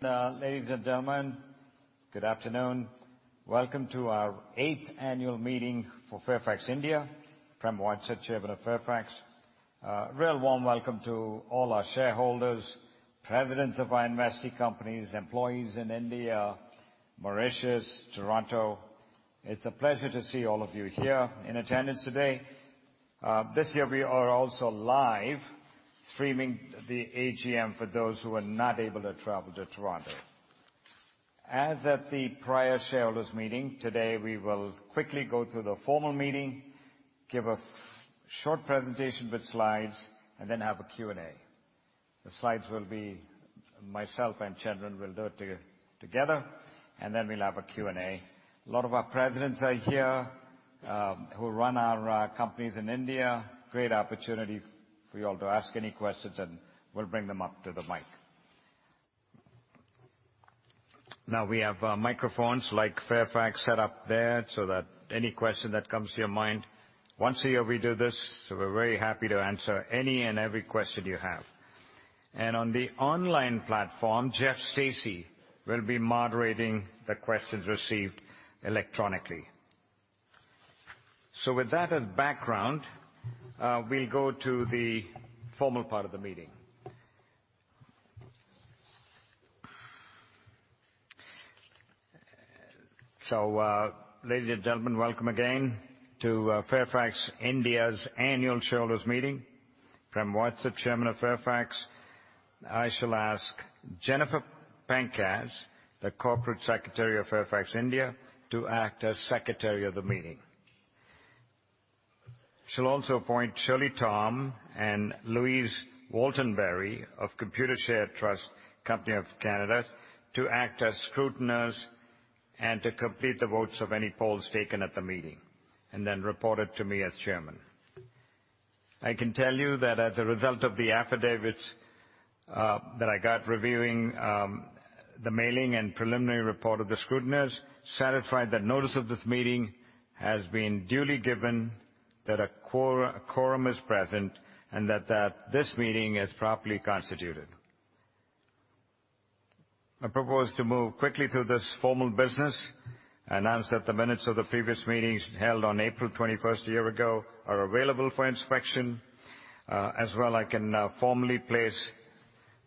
Ladies and gentlemen, good afternoon. Welcome to our Eighth Annual Meeting for Fairfax India. Prem Watsa, Chairman of Fairfax. A real warm welcome to all our shareholders, presidents of our investing companies, employees in India, Mauritius, Toronto. It's a pleasure to see all of you here in attendance today. This year we are also live streaming the AGM for those who are not able to travel to Toronto. As at the prior shareholders meeting, today we will quickly go through the formal meeting, give a short presentation with slides, and then have a Q&A. The slides will be myself and Chandran will do it together, and then we'll have a Q&A. A lot of our presidents are here, who run our companies in India. Great opportunity for you all to ask any questions, and we'll bring them up to the mic. Now we have microphones like Fairfax set up there so that any question that comes to your mind. Once a year we do this, so we're very happy to answer any and every question you have. On the online platform, Jeff Stacey will be moderating the questions received electronically. With that as background, we'll go to the formal part of the meeting. Ladies and gentlemen, welcome again to Fairfax India's annual shareholders meeting. Prem Watsa, Chairman of Fairfax. I shall ask Jennifer Pankratz, the Corporate Secretary of Fairfax India, to act as Secretary of the meeting. She'll also appoint Shirley Tom and Louise Waltenbury of Computershare Trust Company of Canada to act as scrutinizers and to complete the votes of any polls taken at the meeting, and then report it to me as Chairman. I can tell you that as a result of the affidavits that I got reviewing the mailing and preliminary report of the scrutinizers satisfied that notice of this meeting has been duly given, that a quorum is present, and that this meeting is properly constituted. I propose to move quickly through this formal business. Announce that the minutes of the previous meetings held on April 21st a year ago are zavailable for inspection. As well, I can formally place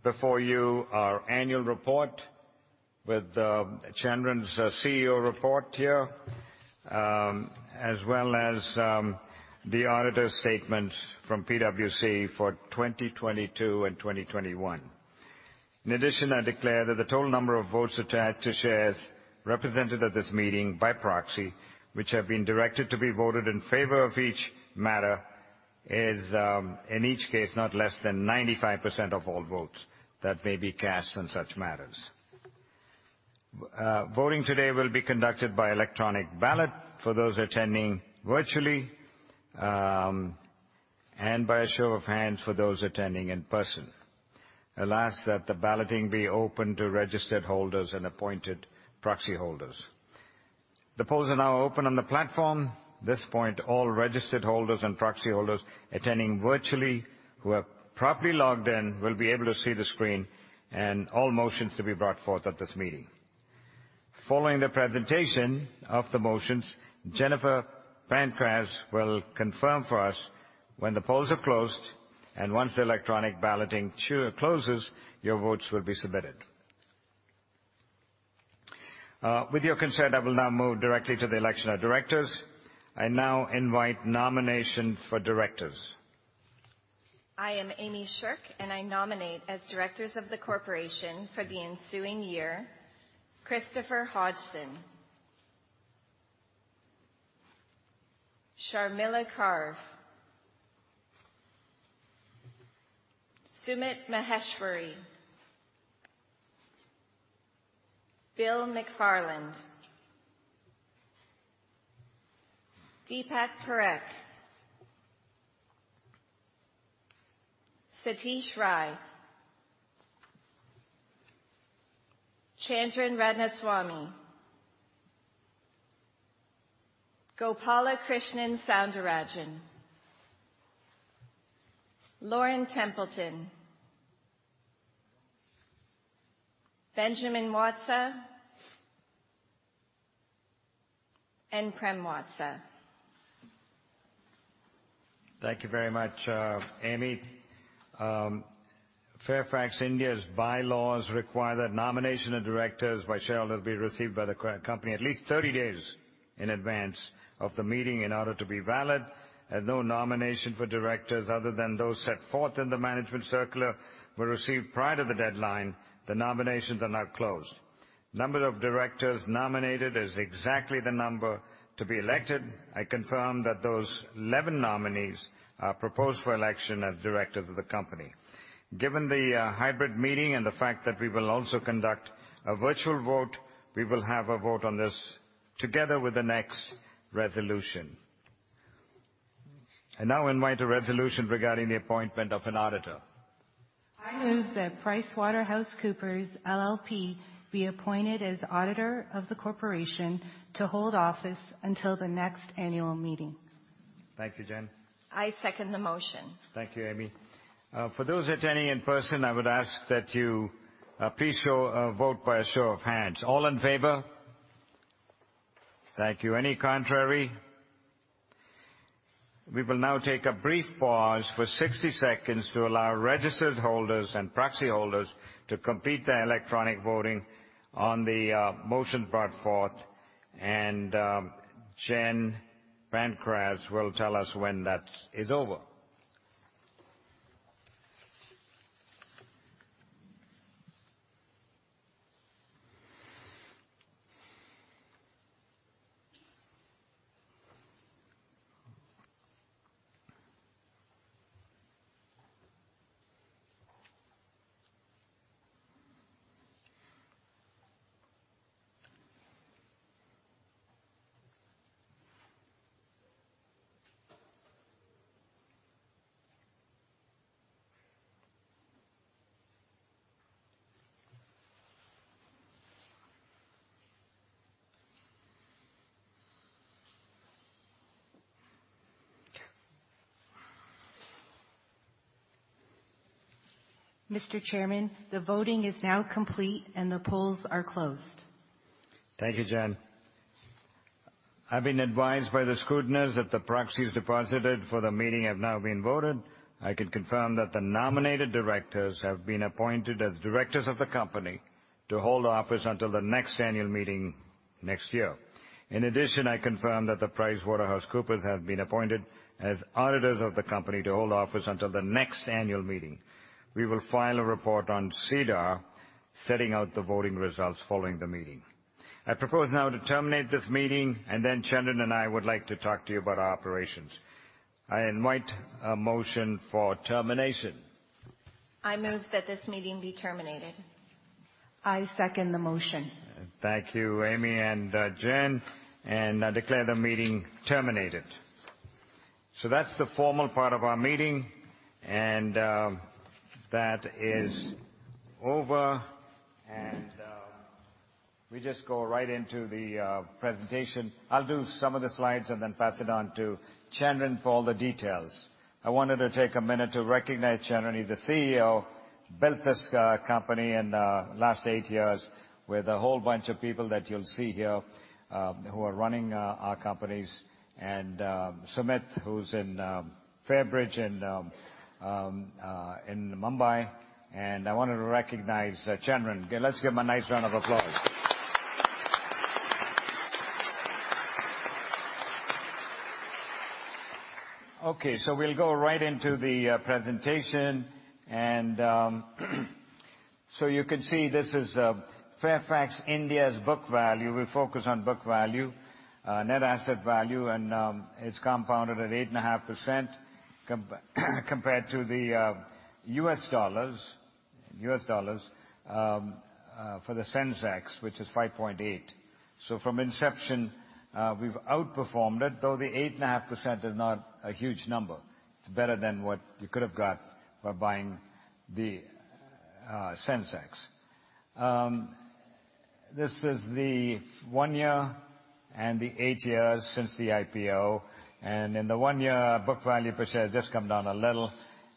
before you our annual report with Chandran's CEO report here, as well as the auditor's statements from PwC for 2022 and 2021. In addition, I declare that the total number of votes attached to shares represented at this meeting by proxy, which have been directed to be voted in favor of each matter, is, in each case, not less than 95% of all votes that may be cast on such matters. Voting today will be conducted by electronic- ballot for those attending virtually, and by a show of hands for those attending in person. I'll ask that the balloting be opened to registered holders and appointed proxy holders. The polls are now open on the platform. This point, all registered holders and proxy holders attending virtually who have properly logged in will be able to see the screen and all motions to be brought forth at this meeting. Following the presentation of the motions, Jennifer Pankratz will confirm for us when the polls are closed, and once the electronic balloting closes, your votes will be submitted. With your consent, I will now move directly to the election of directors. I now invite nominations for directors. I am Amy Sherk, I nominate as directors of the corporation for the ensuing year, Christopher Hodgson, Sharmila Karve, Sumit Maheshwari, Bill McFarland, Deepak Parekh, Satish Rai, Chandran Ratnaswami, Gopalakrishnan Soundararajan, Lauren Templeton, Benjamin Watsa, and Prem Watsa. Thank you very much, Amy. Fairfax India's by-laws require that nomination of directors by shareholders be received by the co-company at least 30 days in advance of the meeting in order to be valid. As no nomination for directors other than those set-forth in the management circular were received prior to the deadline, the nominations are now closed. Number of directors nominated is exactly the number to be elected. I confirm that those 11 nominees are proposed for election as directors of the company. Given the hybrid meeting and the fact that we will also conduct a virtual vote, we will have a vote on this together with the next resolution. I now invite a resolution regarding the appointment of an auditor. I move that PricewaterhouseCoopers LLP be appointed as auditor of the corporation to hold office until the next annual meeting. Thank you, Jen. I second the motion. Thank you, Amy. For those attending in person, I would ask that you please show vote by a show of hands. All in favor? Thank you. Any contrary? We will now take a brief pause for 60 seconds to allow registered holders and proxy holders to complete their electronic voting on the motion brought forth. Jen Pankratz will tell us when that is over. Mr. Chairman, the voting is now complete, and the polls are closed. Thank you, Jen. I've been advised by the scrutineers that the proxies deposited for the meeting have now been voted. I can confirm that the nominated directors have been appointed as directors of the company to hold office until the next annual meeting next year. In addition, I confirm that PricewaterhouseCoopers have been appointed as auditors of the company to hold office until the next annual meeting. We will file a report on SEDAR, setting out the voting results following the meeting. I propose now to terminate this meeting, and then Chandan and I would like to talk to you about our operations. I invite a motion for termination. I move that this meeting be terminated. I second the motion. Thank you, Amy and Jen. I declare the meeting terminated. That's the formal part of our meeting, and that is over. We just go right into the presentation. I'll do some of the slides and then pass it on to Chandan for all the details. I wanted to take a minute to recognize Chandan. He's the CEO, built this company in last eight years with a whole bunch of people that you'll see here, who are running our companies. Sumit, who's in Fairbridge in Mumbai. I wanted to recognize Chandan. Let's give him a nice round of applause. We'll go right into the presentation. You can see this is Fairfax India's book value. We focus on book value, net asset value, and it's compounded at 8.5% compared to the U.S. dollars for the Sensex, which is 5.8%. From inception, we've outperformed it, though the 8.5% is not a huge number. It's better than what you could have got by buying the Sensex. This is the one year and the eight years since the IPO. In the one year, book value per share just come down a little.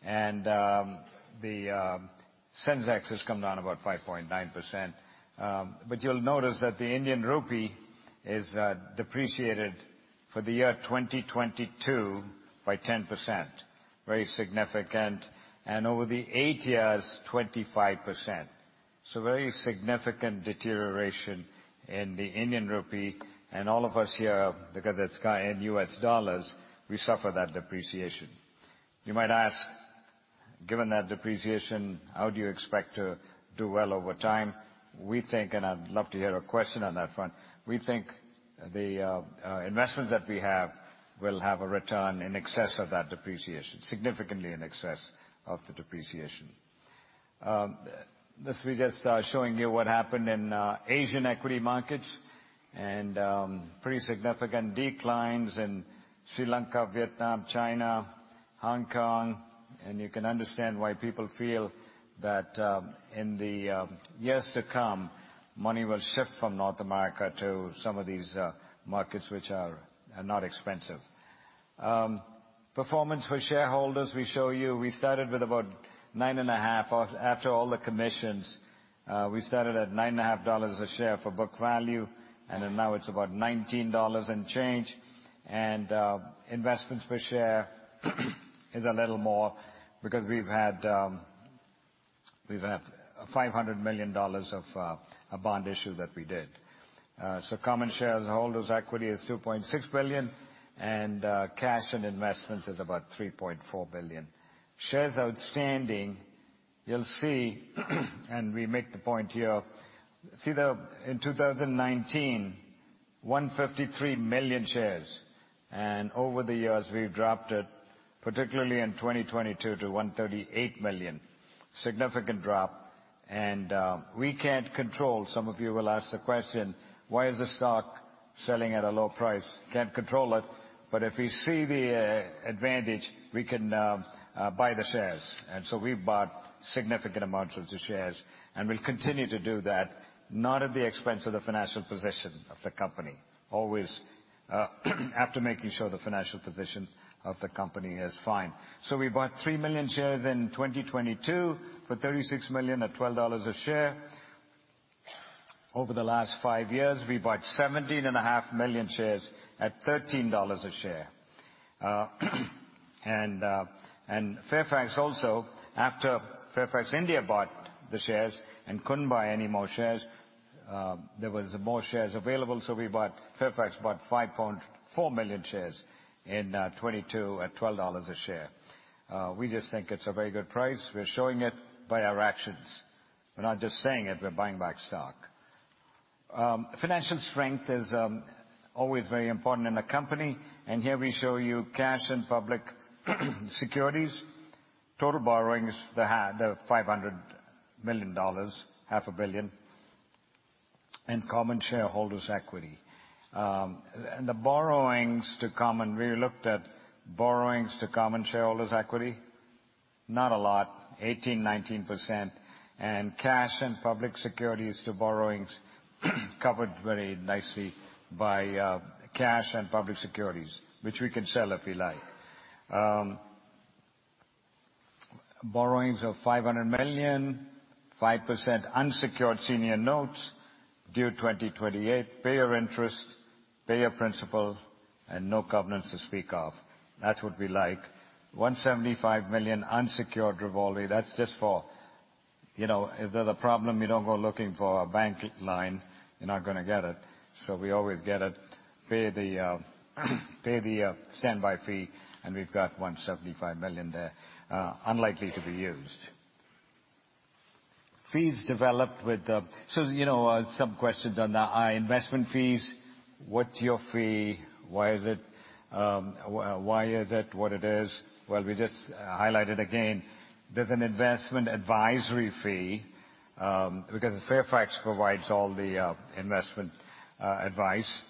The Sensex has come down about 5.9%. You'll notice that the Indian rupee is depreciated for the year 2022 by 10%. Very significant. Over the eight years, 25%. Very significant deterioration in the Indian rupee. All of us here, because it's in U.S. dollars, we suffer that depreciation. You might ask, given that depreciation, how do you expect to do well over time? We think, I'd love to hear a question on that front, we think the investments that we have will have a return in excess of that depreciation, significantly in excess of the depreciation. We're just showing you what happened in Asian equity markets, pretty significant declines in Sri Lanka, Vietnam, China, Hong Kong. You can understand why people feel that in the years to come, money will shift from North America to some of these markets which are not expensive. Performance for shareholders, we show you. We started with about nine and a half After all the commissions, we started at nine and a half dollars a share for book value, then now it's about $19 and change. Investments per share is a little more because we've had, we've had $500 million of a bond issue that we did. So common shareholders' equity is $2.6 billion, and cash and investments is about $3.4 billion. Shares outstanding, you'll see, and we make the point here. In 2019, 153 million shares. Over the years, we've dropped it, particularly in 2022, to 138 million. Significant drop. We can't control... Some of you will ask the question, "Why is the stock selling at a low price?" Can't control it, but if we see the advantage, we can buy the shares. We've bought significant amounts of the shares, and we'll continue to do that, not at the expense of the financial position of the company. Always, after making sure the financial position of the company is fine. We bought 3 million shares in 2022 for $36 million at $12 a share. Over the last 5 years, we bought 17.5 million shares at $13 a share. Fairfax also, after Fairfax India bought the shares and couldn't buy any more shares, there was more shares available, Fairfax bought 5.4 million shares in 2022 at $12 a share. We just think it's a very good price. We're showing it by our actions. We're not just saying it, we're buying back stock. Financial strength is always very important in a company, and here we show you cash and public securities. Total borrowings, the $500 million, half a billion. Common shareholders' equity. The borrowings to common, we looked at borrowings to common shareholders' equity, not a lot, 18%, 19%. Cash and public securities to borrowings covered very nicely by cash and public securities, which we could sell if we like. Borrowings of $500 million, 5% unsecured senior notes due 2028. Pay your interest, pay your principal, no covenants to speak of. That's what we like. $175 million unsecured revolving, that's just for, you know, if there's a problem, you don't go looking for a bank line, you're not gonna get it. We always get it, pay the, pay the standby fee, and we've got $175 million there, unlikely to be used. Fees developed with. You know, some questions on the high investment fees. What's your fee? Why is it, why is it what it is? We just highlight it again. There's an investment advisory fee, because Fairfax provides all the investment advice.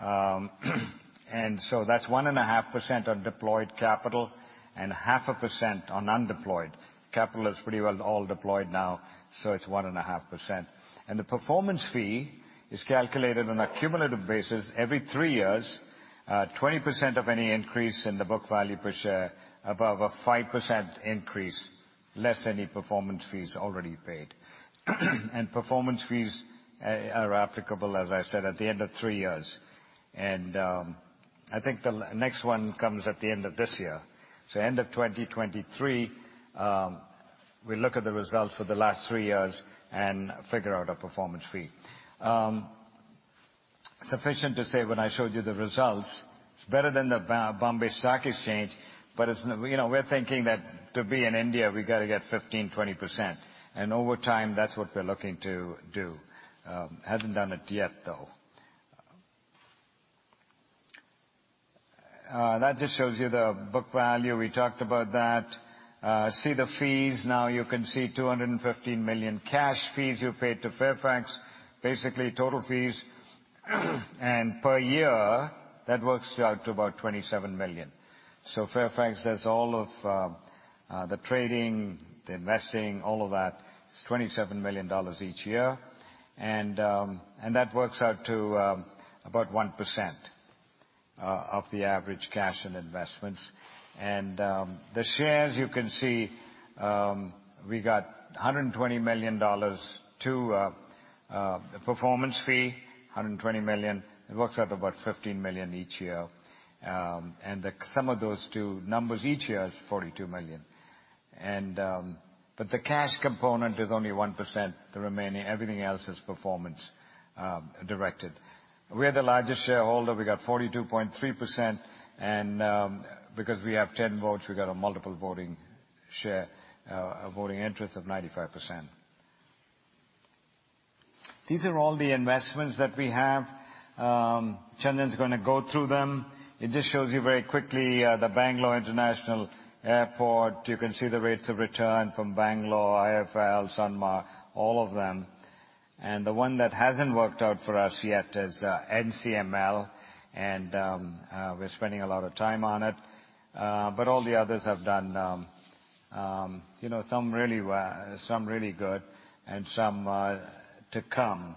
That's 1.5% of deployed capital and 0.5% on undeployed. Capital is pretty well all deployed now, so it's 1.5%. The performance fee is calculated on a cumulative basis every three years. 20% of any increase in the book value per share above a 5% increase, less any performance fees already paid. Performance fees are applicable, as I said, at the end of three years. I think the next one comes at the end of this year. End of 2023, we look at the results for the last three years and figure out a performance fee. Sufficient to say when I showed you the results, it's better than the Bombay Stock Exchange, but it's, you know, we're thinking that to be in India, we gotta get 15%-20%. Over time, that's what we're looking to do. Hasn't done it yet, though. That just shows you the book value. We talked about that. See the fees. Now you can see $215 million cash fees you paid to Fairfax. Basically, total fees, per year that works out to about $27 million. Fairfax does all of the trading, the investing, all of that. It's $27 million each year. That works out to about 1% of the average cash and investments. The shares you can see, we got $120 million to the performance fee, $120 million. It works out about $15 million each year. The sum of those two numbers each year is $42 million. The cash component is only 1%. The remaining everything else is performance directed. We're the largest shareholder. We got 42.3% because we have 10 votes, we got a multiple voting share, a voting interest of 95%. These are all the investments that we have. Chandran's gonna go through them. It just shows you very quickly, the Bangalore International Airport. You can see the rates of return from Bangalore, IIFL, Sanmar, all of them. The one that hasn't worked out for us yet is NCML, we're spending a lot of time on it. All the others have done, you know, some really well, some really good and some to come.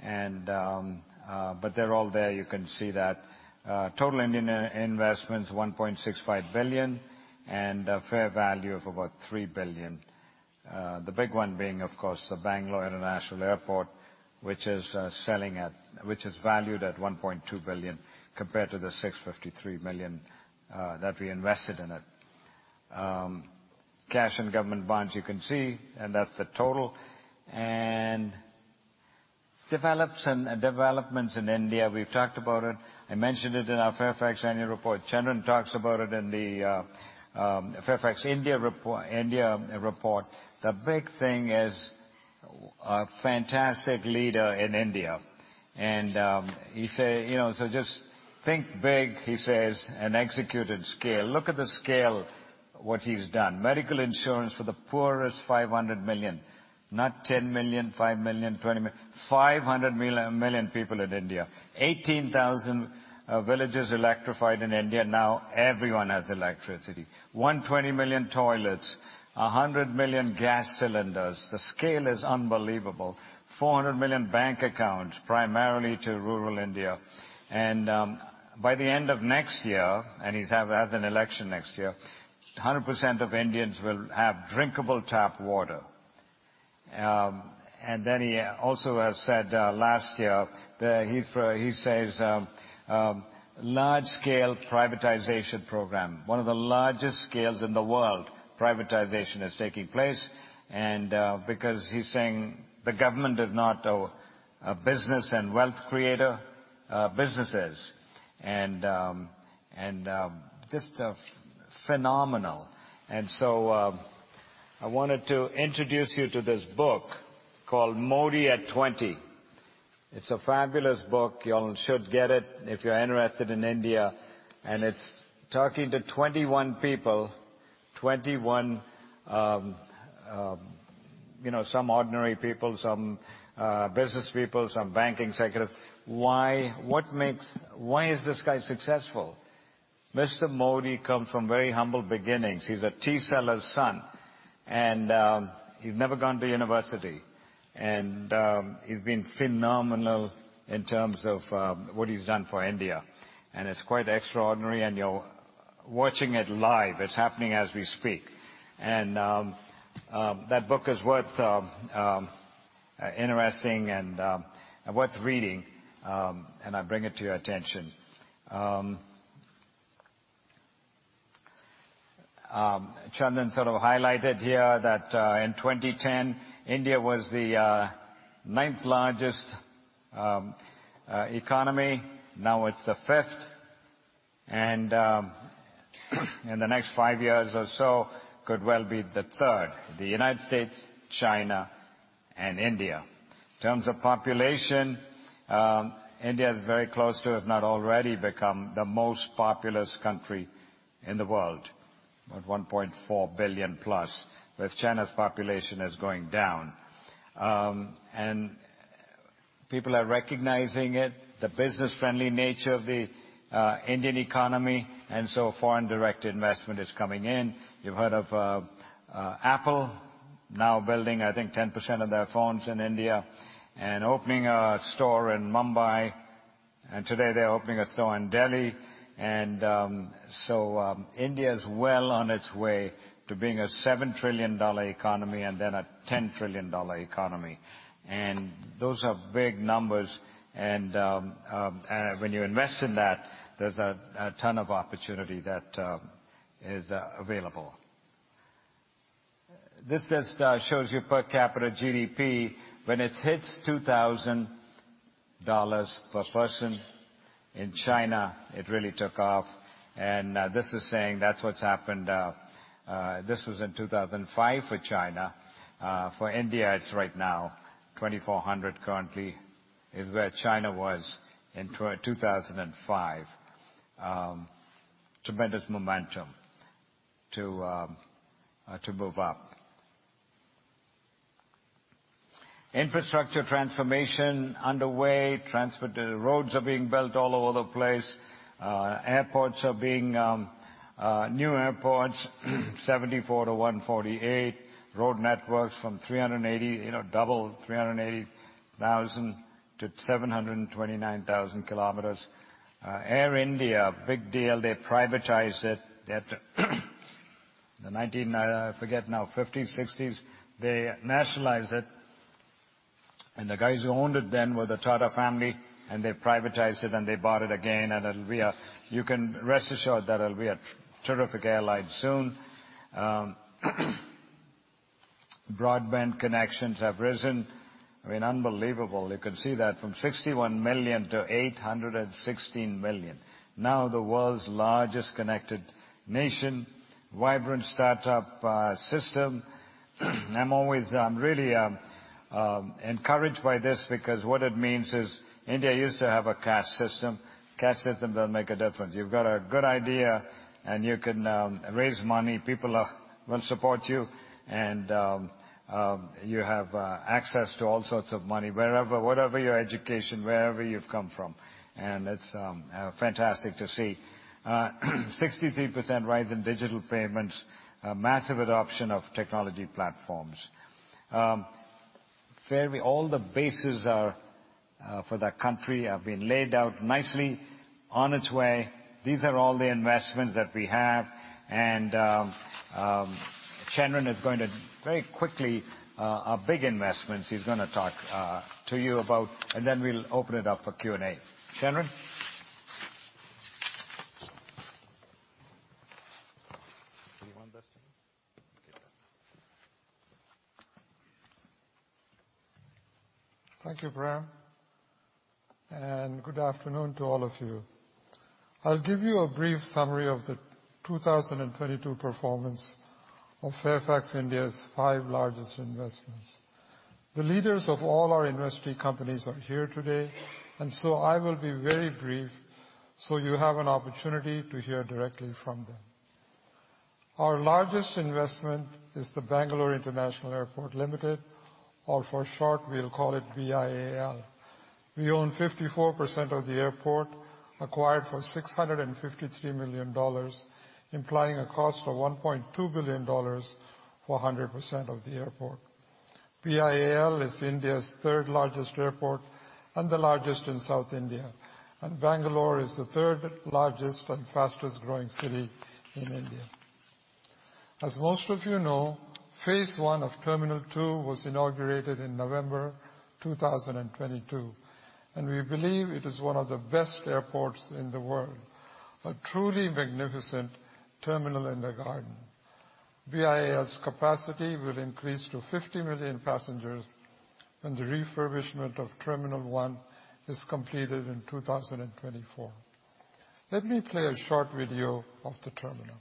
They're all there. You can see that. Total Indian investments, $1.65 billion and a fair value of about $3 billion. The big one being, of course, the Bangalore International Airport, which is valued at $1.2 billion compared to the $653 million that we invested in it. Cash and government bonds you can see, that's the total. Developments in India, we've talked about it. I mentioned it in our Fairfax annual report. Chandran talks about it in the Fairfax India report. A fantastic leader in India. He says, you know, "Just think big," he says, "and execute at scale." Look at the scale, what he's done. Medical insurance for the poorest 500 million. Not 10 million, 5 million, 20 million. 500 million people in India. 18,000 villages electrified in India. Now everyone has electricity. 120 million toilets. 100 million gas cylinders. The scale is unbelievable. 400 million bank accounts, primarily to rural India. By the end of next year, he has an election next year, 100% of Indians will have drinkable tap water. Then he also has said last year that he says large scale privatization program. One of the largest scales in the world, privatization is taking place. Because he's saying the government is not a business and wealth creator, business is. Just a phenomenal. So I wanted to introduce you to this book called Modi@20. It's a fabulous book. You all should get it if you're interested in India. It's talking to 21 people. 21, you know, some ordinary people, some business people, some bank executives. What makes Why is this guy successful? Mr. Modi comes from very humble beginnings. He's a tea seller's son, and he's never gone to university. And he's been phenomenal in terms of what he's done for India, and it's quite extraordinary. And you're watching it live. It's happening as we speak. That book is worth interesting and worth reading, and I bring it to your attention. Chandran sort of highlighted here that in 2010, India was the ninth largest economy. Now it's the fifth. And in the next 5 years or so, could well be the third. The United States, China, and India. In terms of population, India is very close to, if not already, become the most populous country in the world. About 1.4 billion plus, whereas China's population is going down. People are recognizing it, the business-friendly nature of the Indian economy, foreign direct investment is coming in. You've heard of Apple now building, I think, 10% of their phones in India and opening a store in Mumbai. Today they're opening a store in Delhi. India is well on its way to being a $7 trillion economy and then a $10 trillion economy. Those are big numbers. When you invest in that, there's a ton of opportunity that is available. This just shows you per capita GDP. When it hits $2,000 per person in China, it really took off. This is saying that's what's happened. This was in 2005 for China. For India, it's right now $2,400 currently, is where China was in 2005. Tremendous momentum to move up. Infrastructure transformation underway. Roads are being built all over the place. Airports are being new airports, 74 to 148. Road networks from 380, you know, double, 380,000 to 729,000 kilometers. Air India, big deal, they privatized it. They had to the 1950s, 1960s, they nationalized it. The guys who owned it then were the Tata Group, and they privatized it, and they bought it again, and it'll be a... You can rest assured that it'll be a terrific airline soon. Broadband connections have risen. I mean, unbelievable. You can see that from 61 million to 816 million. The world's largest connected nation. Vibrant startup system. I'm always really encouraged by this because what it means is India used to have a caste system. Caste system doesn't make a difference. You've got a good idea, and you can raise money. People are, will support you. You have access to all sorts of money, whatever your education, wherever you've come from. It's fantastic to see. 63% rise in digital payments. A massive adoption of technology platforms. Fairly all the bases are for that country have been laid out nicely on its way. These are all the investments that we have. Chandran is going to very quickly our big investments, he's gonna talk to you about, and then we'll open it up for Q&A. Chandran. Do you want this? Okay. Thank you, Prem. Good afternoon to all of you. I'll give you a brief summary of the 2022 performance of Fairfax India's five largest investments. The leaders of all our investee companies are here today, and so I will be very brief, so you have an opportunity to hear directly from them. Our largest investment is the Bangalore International Airport Limited, or for short, we'll call it BIAL. We own 54% of the airport, acquired for $653 million, implying a cost of $1.2 billion for 100% of the airport. BIAL is India's third largest airport and the largest in South India. Bangalore is the third-largest and fastest-growing city in India. As most of you know, phase one of terminal two was inaugurated in November 2022, and we believe it is one of the best airports in the world. A truly magnificent terminal in the garden. BIAL's capacity will increase to 50 million passengers when the refurbishment of terminal one is completed in 2024. Let me play a short video of the terminal.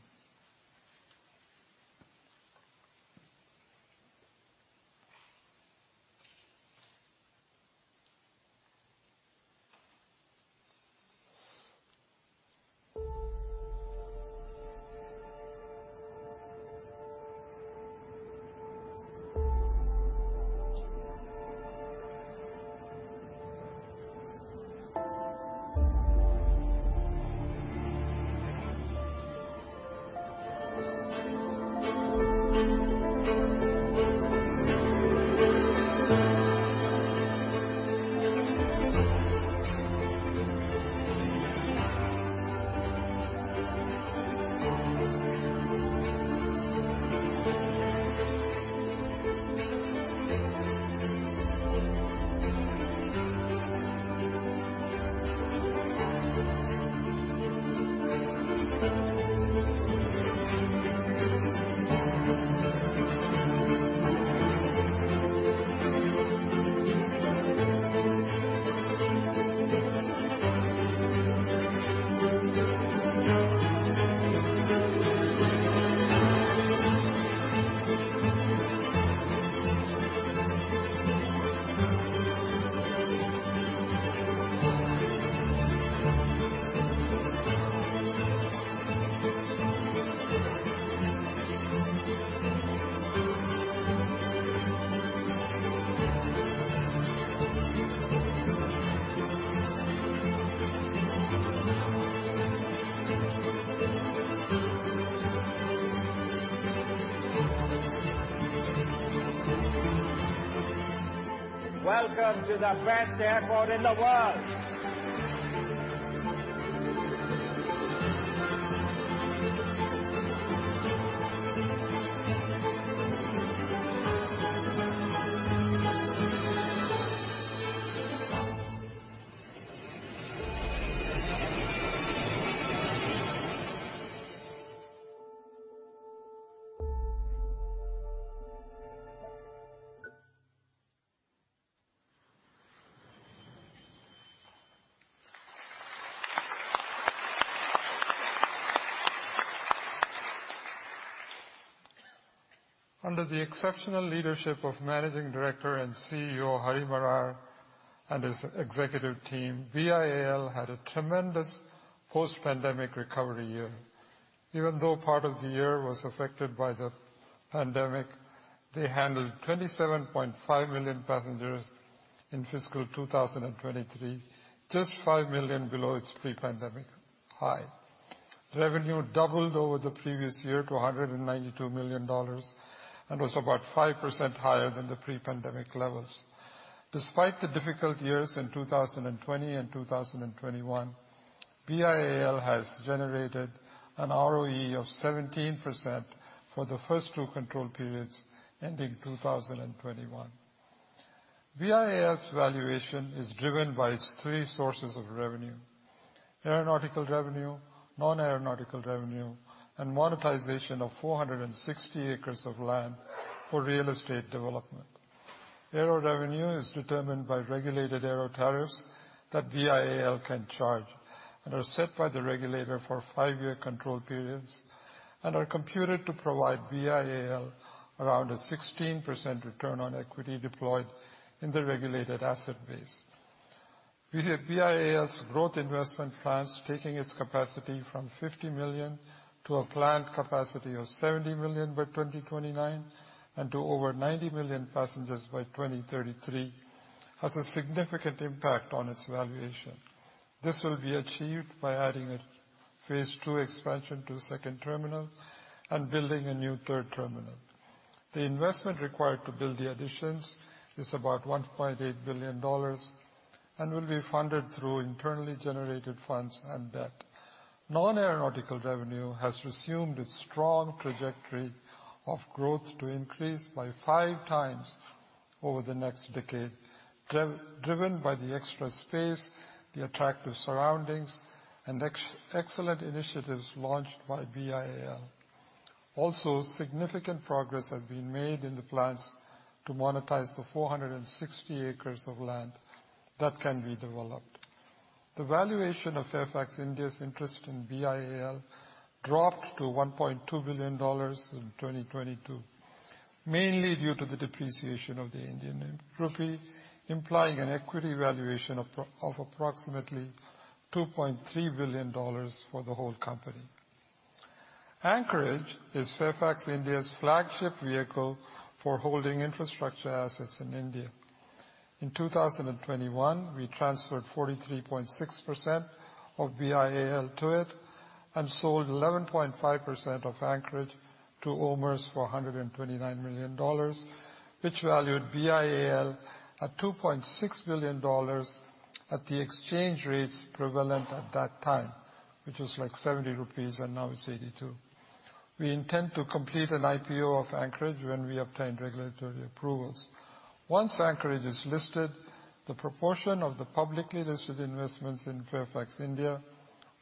Welcome to the best airport in the world. Under the exceptional leadership of Managing Director and CEO, Hari Marar, and his executive team, BIAL had a tremendous post-pandemic recovery year. Part of the year was affected by the pandemic, they handled 27.5 million passengers in fiscal 2023, just 5 million below its pre-pandemic high. Revenue doubled over the previous year to $192 million and was about 5% higher than the pre-pandemic levels. Despite the difficult years in 2020 and 2021, BIAL has generated an ROE of 17% for the first two control periods ending 2021. BIAL's valuation is driven by its three sources of revenue: aeronautical revenue, non-aeronautical revenue, and monetization of 460 acres of land for real estate development. Aero-revenue is determined by regulated aero tariffs that BIAL can charge and are set by the regulator for 5-year control periods, and are computed to provide BIAL around a 16% return on equity deployed in the regulated asset base. We see BIAL's growth investment plans, taking its capacity from 50 million to a planned capacity of 70 million by 2029 and to over 90 million passengers by 2033, has a significant impact on its valuation. This will be achieved by adding a phase II expansion to a second terminal and building a new third terminal. The investment required to build the additions is about $1.8 billion and will be funded through internally generated funds and debt. Non-aeronautical revenue has resumed its strong trajectory of growth to increase by 5x over the next decade, driven by the extra space, the attractive surroundings, and excellent initiatives launched by BIAL. Also, significant progress has been made in the plans to monetize the 460 acres of land that can be developed. The valuation of Fairfax India's interest in BIAL dropped to $1.2 billion in 2022, mainly due to the depreciation of the Indian rupee, implying an equity valuation of approximately $2.3 billion for the whole company. Anchorage is Fairfax India's flagship vehicle for holding infrastructure assets in India. In 2021, we transferred 43.6% of BIAL to it and sold 11.5% of Anchorage to OMERS for $129 million, which valued BIAL at $2.6 billion at the exchange rates prevalent at that time, which was like 70 rupees, and now it's 82. We intend to complete an IPO of Anchorage when we obtain regulatory approvals. Once Anchorage is listed, the proportion of the publicly listed investments in Fairfax India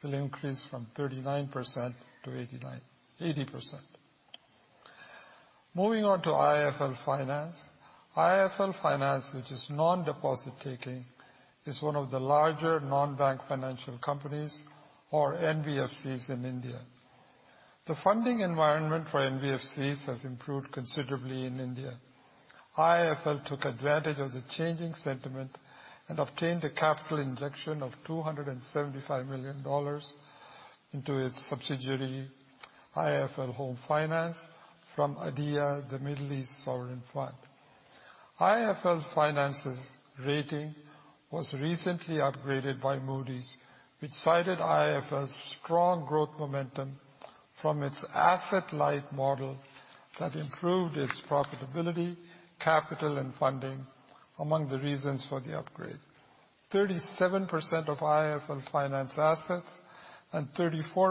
will increase from 39% to 80%. Moving on to IIFL Finance. IIFL Finance, which is non-deposit taking, is one of the larger non-bank financial companies or NBFCs in India. The funding environment for NBFCs has improved considerably in India. IIFL took advantage of the changing sentiment and obtained a capital injection of $275 million into its subsidiary, IIFL Home Finance from ADIA, the Middle East sovereign fund. IIFL Finance's rating was recently upgraded by Moody's, which cited IIFL's strong growth momentum from its asset-light model that improved its profitability, capital, and funding among the reasons for the upgrade. 37% of IIFL Finance assets and 34%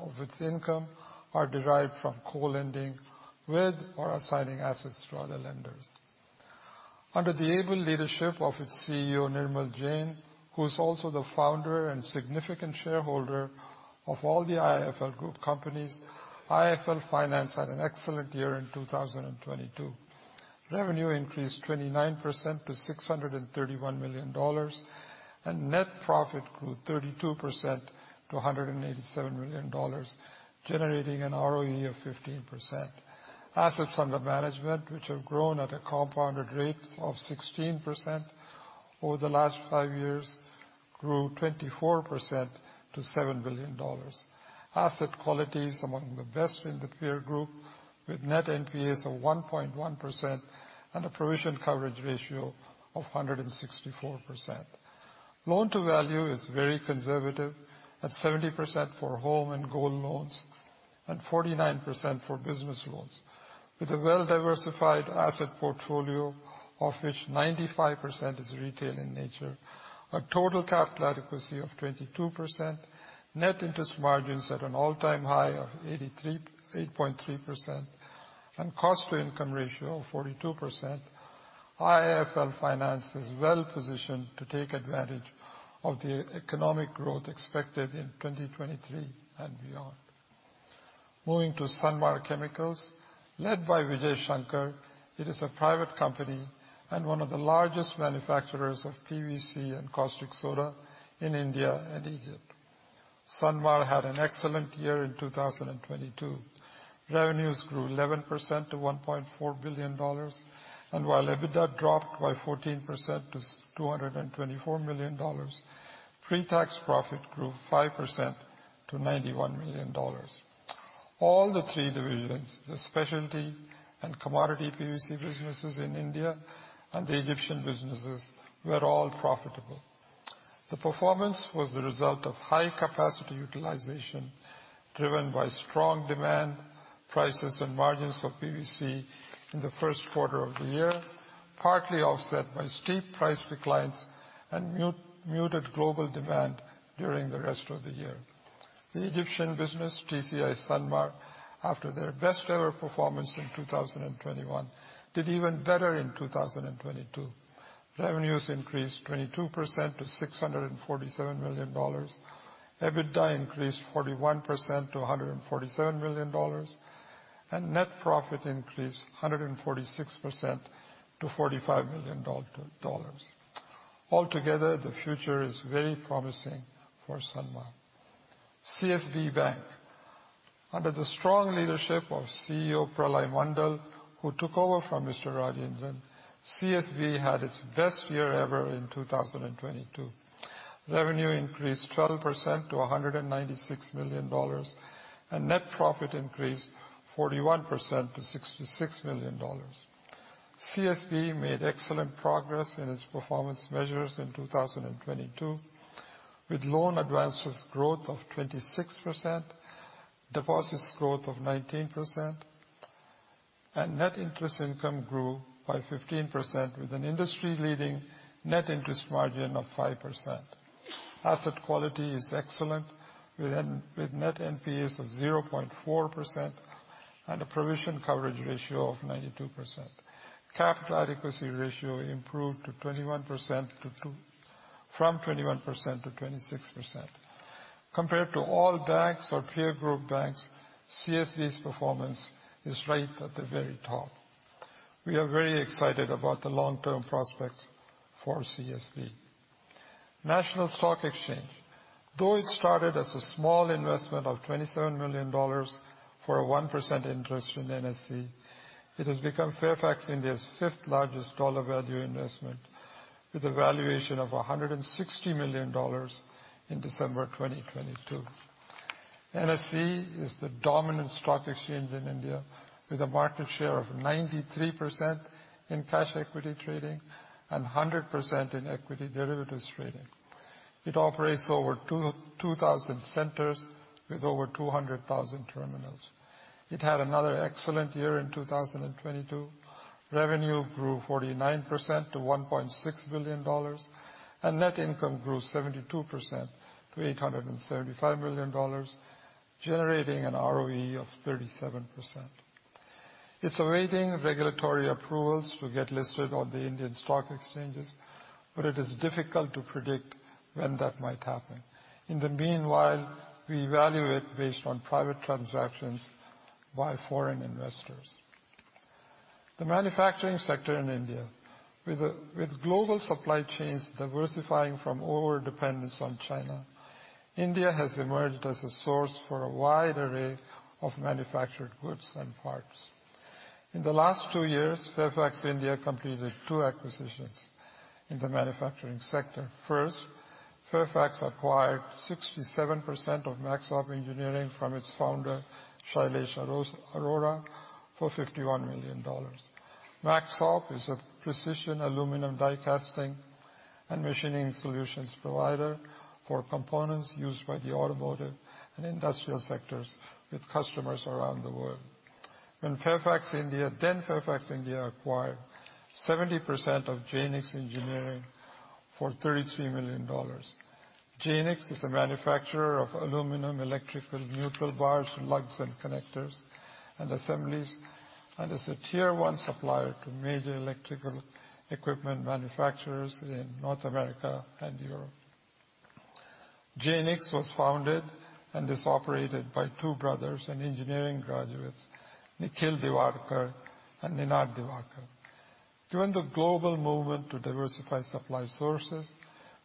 of its income are derived from co-lending with or assigning assets to other lenders. Under the able leadership of its CEO, Nirmal Jain, who's also the founder and significant shareholder of all the IIFL group companies, IIFL Finance had an excellent year in 2022. Revenue increased 29% to $631 million, and net profit grew 32% to $187 million, generating an ROE of 15%. Assets under management, which have grown at a compounded rate of 16% over the last 5 years, grew 24% to $7 billion. Asset quality is among the best in the peer group, with net NPAs of 1.1% and a provision coverage ratio of 164%. Loan-to-value is very conservative at 70% for home and gold loans and 49% for business loans. With a well-diversified asset portfolio, of which 95% is retail in nature, a total capital adequacy of 22%, net interest margins at an all-time high of 8.3%, and cost-to-income ratio of 42%, IIFL Finance is well-positioned to take advantage of the economic growth expected in 2023 and beyond. Moving to Sanmar Chemicals, led by Vijay Sankar. It is a private company and one of the largest manufacturers of PVC and caustic soda in India and Egypt. Sanmar had an excellent year in 2022. Revenues grew 11% to $1.4 billion. While EBITDA dropped by 14% to $224 million, pre-tax profit grew 5% to $91 million. All the three divisions, the specialty and commodity PVC businesses in India and the Egyptian businesses, were all profitable. The performance was the result of high capacity utilization, driven by strong demand, prices, and margins for PVC in the first quarter of the year, partly offset by steep price declines and muted global demand during the rest of the year. The Egyptian business, TCI Sanmar, after their best-ever performance in 2021, did even better in 2022. Revenues increased 22% to $647 million. EBITDA increased 41% to $147 million, and net profit increased 146% to $45 million. Altogether, the future is very promising for Sanmar. CSB Bank. Under the strong leadership of CEO Pralay Mondal, who took over from Mr. C.V.R. Rajendran, CSB had its best year ever in 2022. Revenue increased 12% to $196 million, and net profit increased 41% to $66 million. CSB made excellent progress in its performance measures in 2022, with loan advances growth of 26%, deposits growth of 19%, and net interest income grew by 15% with an industry-leading net interest margin of 5%. Asset quality is excellent with net NPAs of 0.4% and a provision coverage ratio of 92%. Capital adequacy ratio improved to 21% From 21% to 26%. Compared to all banks or peer group banks, CSB's performance is right at the very top. We are very excited about the long-term prospects for CSB. National Stock Exchange. Though it started as a small investment of $27 million for a 1% interest in NSE, it has become Fairfax India's fifth largest dollar value investment with a valuation of $160 million in December 2022. NSE is the dominant stock exchange in India with a market share of 93% in cash equity trading and 100% in equity derivatives trading. It operates over 2,000 centers with over 200,000 terminals. It had another excellent year in 2022. Revenue grew 49% to $1.6 billion and net income grew 72% to $875 million, generating an ROE of 37%. It's awaiting regulatory approvals to get listed on the Indian stock exchanges, but it is difficult to predict when that might happen. In the meanwhile, we value it based on private transactions by foreign investors. The manufacturing sector in India. With global supply chains diversifying from overdependence on China, India has emerged as a source for a wide array of manufactured goods and parts. In the last twoyears, Fairfax India completed two acquisitions in the manufacturing sector. First, Fairfax acquired 67% of Maxop Engineering from its founder, Shailesh Arora, for $51 million. Maxop is a precision aluminum die casting and machining solutions provider for components used by the automotive and industrial sectors with customers around the world. Fairfax India acquired 70% of Jaynix Engineering for $33 million. Jaynix is a manufacturer of aluminum electrical neutral bars, lugs and connectors, and assemblies, and is a tier 1 supplier to major electrical equipment manufacturers in North America and Europe. Jaynix was founded and is operated by 2 brothers and engineering graduates, Nikhil Diwakar and Ninad Diwakar. During the global movement to diversify supply sources,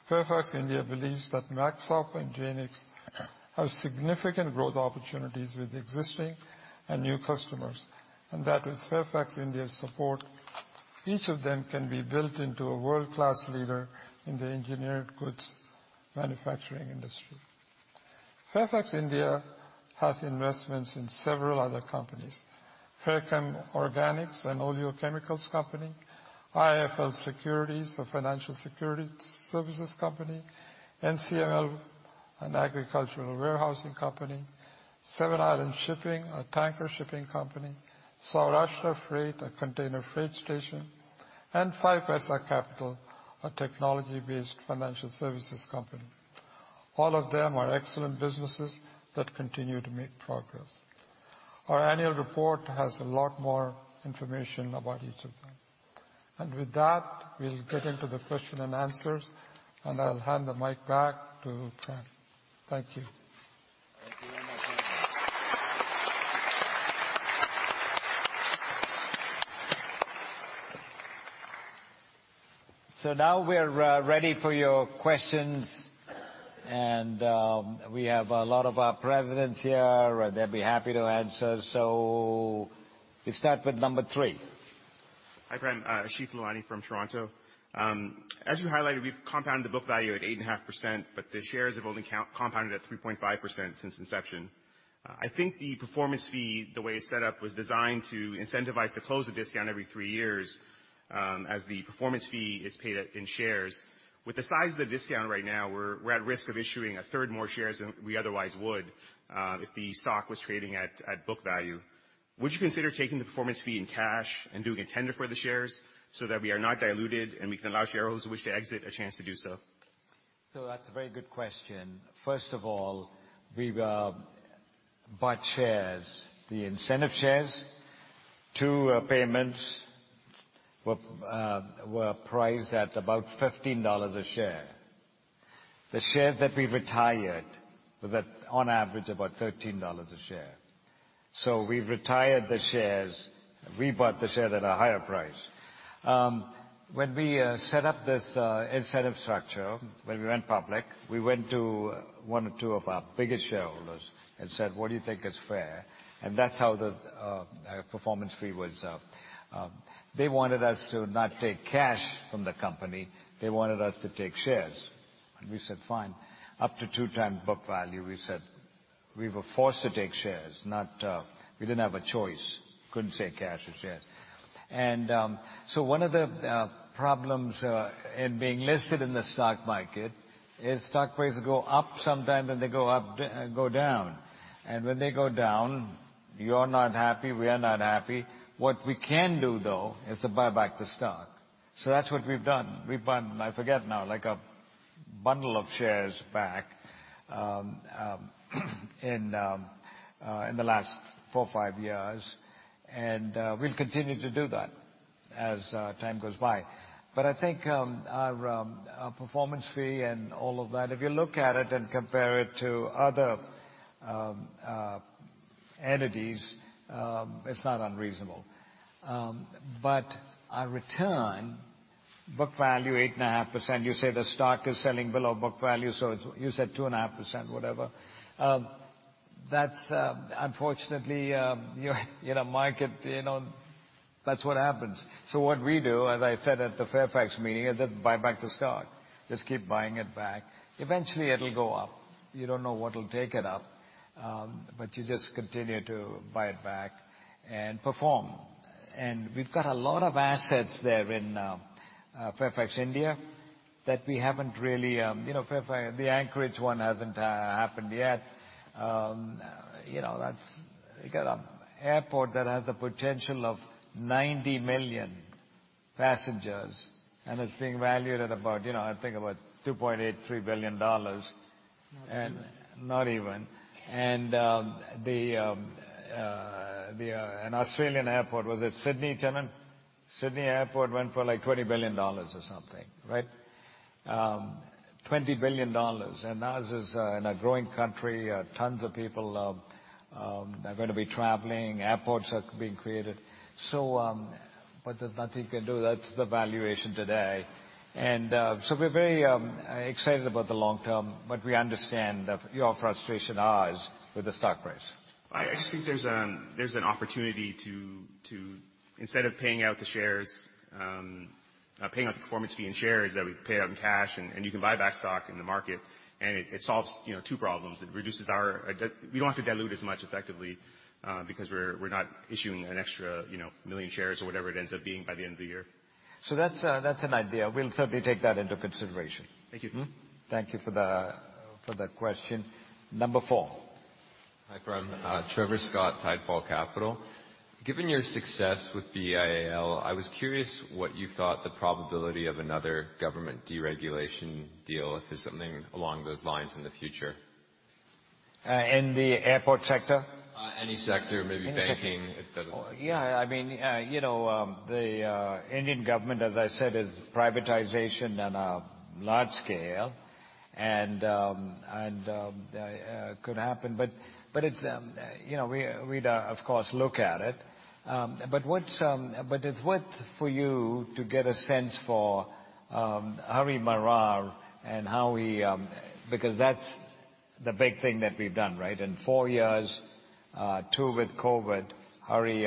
Fairfax India believes that Maxop and Jaynix have significant growth opportunities with existing and new customers, and that with Fairfax India's support, each of them can be built into a world-class leader in the engineered goods manufacturing industry. Fairfax India has investments in several other companies. Fairchem Organics, an oleochemicals company. IIFL Securities, a financial security services company. NCML, an agricultural warehousing company. Seven Islands Shipping, a tanker shipping company. Saurashtra Freight, a container freight station, and 5paisa Capital, a technology-based financial services company. All of them are excellent businesses that continue to make progress. Our annual report has a lot more information about each of them. With that, we'll get into the question and answers, and I'll hand the mic back to Prem. Thank you. Thank you very much. Now we're ready for your questions, and we have a lot of our presidents here. They'll be happy to answer. We start with number thee. Hi, Prem. Ashish Sawhney from Toronto. As you highlighted, we've compounded the book value at 8.5%, but the shares have only compounded at 3.5% since inception. I think the performance fee, the way it's set up, was designed to incentivize to close the discount every 3 years, as the performance fee is paid out in shares. With the size of the discount right now, we're at risk of issuing a third more shares than we otherwise would, if the stock was trading at book value. Would you consider taking the performance fee in cash and doing a tender for the shares so that we are not diluted and we can allow shareholders who wish to exit a chance to do so? That's a very good question. First of all, we bought shares. The incentive shares, 2 payments were priced at about $15 a share. The shares that we retired were at, on average, about $13 a share. We've retired the shares. We bought the share at a higher price. When we set up this incentive structure, when we went public, we went to 1 or 2 of our biggest shareholders and said, "What do you think is fair?" That's how the performance fee was. They wanted us to not take cash from the company. They wanted us to take shares. We said, "Fine." Up to 2 times book value, we said we were forced to take shares. We didn't have a choice. Couldn't take cash or shares. So one of the problems in being listed in the stock market is stock prices go up sometimes, and they go up, go down. When they go down, you're not happy, we are not happy. What we can do, though, is to buy back the stock. That's what we've done. We've bought, I forget now, like a bundle of shares back in the last four, five years. We'll continue to do that. As time goes by. I think our performance fee and all of that, if you look at it and compare it to other entities, it's not unreasonable. Our return, book value 8.5%, you say the stock is selling below book value, so you said 2.5%, whatever. That's, unfortunately, you're in a market, you know, that's what happens. What we do, as I said at the Fairfax meeting, is just buy back the stock. Just keep buying it back. Eventually it'll go up. You don't know what will take it up, but you just continue to buy it back and perform. We've got a lot of assets there in Fairfax India that we haven't really, you know, the Anchorage one hasn't happened yet. You know, that's. You got a airport that has the potential of 90 million passengers, and it's being valued at about, you know, I think about $2.8 billion-$3 billion. Not even. The, the, an Australian airport, was it Sydney, Chandan? Sydney Airport went for like $20 billion or something, right? $20 billion. Ours is in a growing country. tons of people are gonna be traveling. Airports are being created. But there's nothing you can do. That's the valuation today. We're very excited about the long term, but we understand your frustration, ours, with the stock price. I just think there's an opportunity to instead of paying out the shares, paying out the performance fee in shares that we pay it out in cash and you can buy back stock in the market and it solves, you know, two problems. It reduces our. We don't have to dilute as much effectively, because we're not issuing an extra, you know, million shares or whatever it ends up being by the end of the year. That's an idea. We'll certainly take that into consideration. Thank you. Thank you for the, for that question. Number 4. Hi, Prem. Trevor Scott, Tidefall Capital Given your success with BIAL, I was curious what you thought the probability of another government deregulation deal, if there's something along those lines in the future? In the airport sector? any sector. Any sector. Maybe banking, it doesn't- Yeah, I mean, you know, the Indian government, as I said, is privatization on a large scale and could happen. It's, you know, we'd, of course, look at it. It's worth for you to get a sense for Hari Marar and how we. That's the big thing that we've done, right? In four years, two with COVID, Hari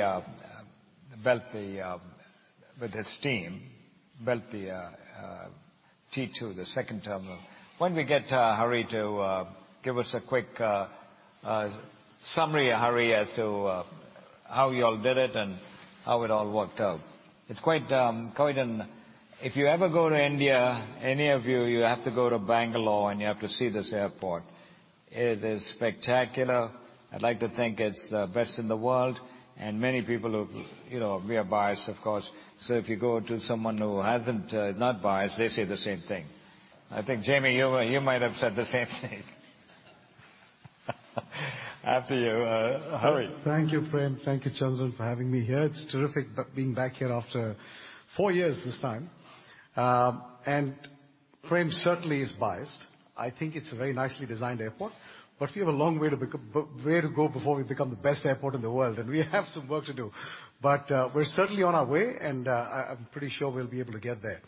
built the, with his team, built the T2, the second terminal. Why don't we get Hari to give us a quick summary, Hari, as to how y'all did it and how it all worked out. It's quite. If you ever go to India, any of you have to go to Bangalore and you have to see this airport. It is spectacular. I'd like to think it's the best in the world, and many people have... You know, we are biased, of course. If you go to someone who hasn't, not biased, they say the same thing. I think, Jamie, you might have said the same thing. After you, Hari. Thank you, Prem. Thank you, Chandran, for having me here. It's terrific being back here after 4 years this time. Prem certainly is biased. I think it's a very nicely designed airport, but we have a long way to become, way to go before we become the best airport in the world, and we have some work to do. We're certainly on our way, and I'm pretty sure we'll be able to get there.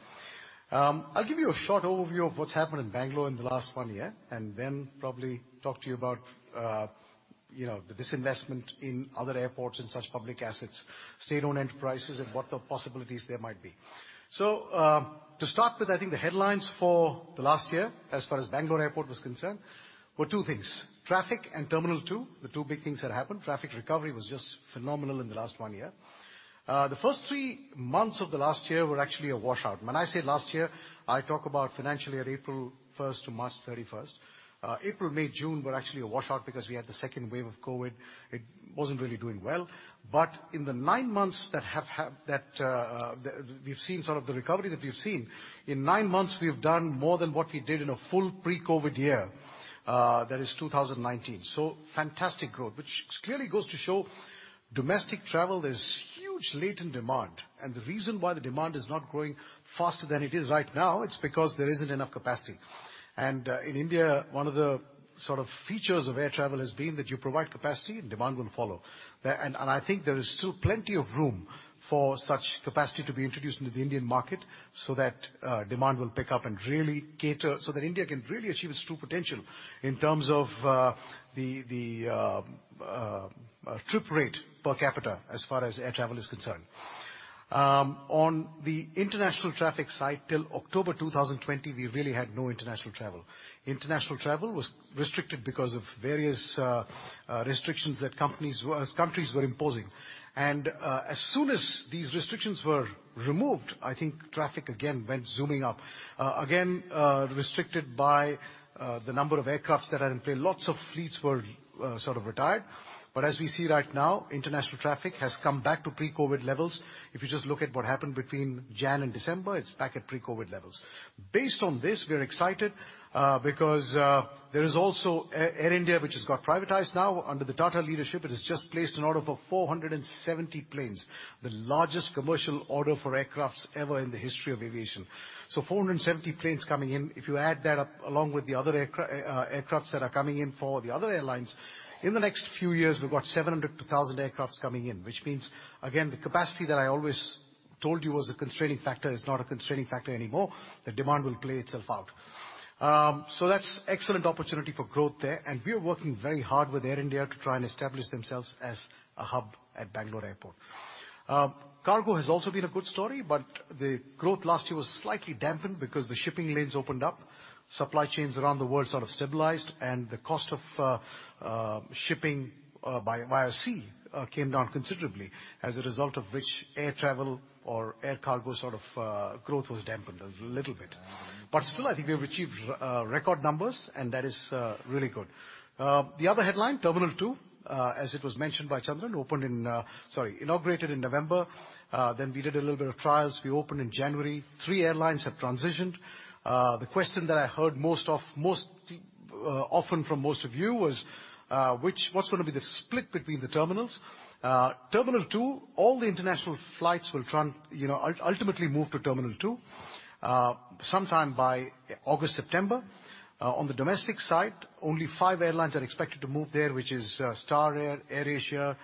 I'll give you a short overview of what's happened in Bangalore in the last 1 year and then probably talk to you about, you know, the disinvestment in other airports and such public assets, state-owned enterprises, and what the possibilities there might be. To start with, I think the headlines for the last year, as far as Bangalore Airport was concerned, were two things: traffic and Terminal 2, the two big things that happened. Traffic recovery was just phenomenal in the last one year. The 1st three months of the last year were actually a washout. When I say last year, I talk about financial year, April 1st to March 31st. April, May, June were actually a washout because we had the 2nd wave of COVID. It wasn't really doing well. In the 9 months that have that we've seen sort of the recovery that we've seen, in nine months, we've done more than what we did in a full pre-COVID year. That is 2019. Fantastic growth, which clearly goes to show domestic travel, there's huge latent demand. The reason why the demand is not growing faster than it is right now, it's because there isn't enough capacity. In India, one of the sort of features of air travel has been that you provide capacity and demand will follow. I think there is still plenty of room for such capacity to be introduced into the Indian market so that demand will pick up and really cater so that India can really achieve its true potential in terms of the trip rate per capita as far as air travel is concerned. On the international traffic side, till October 2020, we really had no international travel. International travel was restricted because of various restrictions that countries were imposing. As soon as these restrictions were removed, I think traffic again went zooming up. Again, restricted by the number of aircrafts that are in play. Lots of fleets were sort of retired. As we see right now, international traffic has come back to pre-COVID levels. If you just look at what happened between January and December, it's back at pre-COVID levels. Based on this, we're excited because there is also Air India, which has got privatized now under the Tata leadership. It has just placed an order for 470 planes, the largest commercial order for aircrafts ever in the history of aviation. 470 planes coming in. If you add that up along with the other aircrafts that are coming in for the other airlines, in the next few years, we've got 700 to 1,000 aircrafts coming in. Again, the capacity that I always told you was a constraining factor is not a constraining factor anymore. The demand will play itself out. That's excellent opportunity for growth there, and we are working very hard with Air India to try and establish themselves as a hub at Bangalore Airport. Cargo has also been a good story, but the growth last year was slightly dampened because the shipping lanes opened up. Supply chains around the world sort of stabilized, and the cost of shipping by via sea came down considerably as a result of which air travel or air cargo sort of growth was dampened a little bit. Still, I think we have achieved record numbers, and that is really good. The other headline, Terminal 2, as it was mentioned by Chandan, opened in... Sorry, inaugurated in November. We did a little bit of trials. We opened in January. Three airlines have transitioned. The question that I heard most often from most of you was, what's gonna be the split between the terminals. Terminal 2, all the international flights will, you know, ultimately move to Terminal 2 sometime by August, September. On the domestic side, only five airlines are expected to move there, which is, Star Air Asia,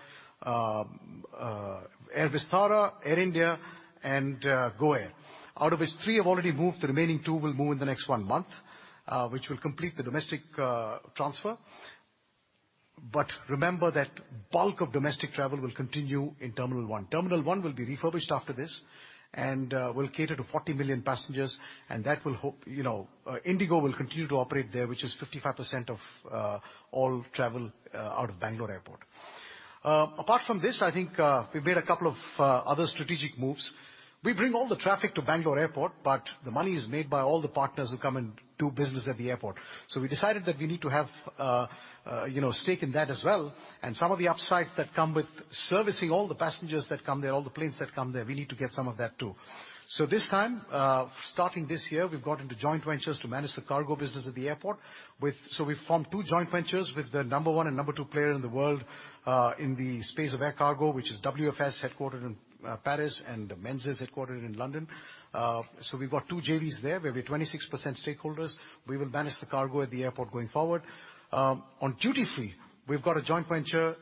Air Vistara, Air India, and GoAir, out of which three have already moved. The remaining two will move in the next one month, which will complete the domestic transfer. Remember that bulk of domestic travel will continue in Terminal 1. Terminal 1 will be refurbished after this, will cater to 40 million passengers. You know, IndiGo will continue to operate there, which is 55% of all travel out of Bangalore Airport. Apart from this, I think, we've made a couple of other strategic moves. We bring all the traffic to Bangalore Airport, but the money is made by all the partners who come and do business at the airport. We decided that we need to have a, you know, stake in that as well, and some of the upsides that come with servicing all the passengers that come there, all the planes that come there, we need to get some of that too. This time, starting this year, we've got into joint ventures to manage the cargo business at the airport with... We've formed two joint ventures with the number one and number two player in the world in the space of air cargo, which is WFS, headquartered in Paris, and Menzies, headquartered in London. We've got two JVs there where we're 26% stakeholders. We will manage the cargo at the airport going forward. On duty free, we've got a joint venture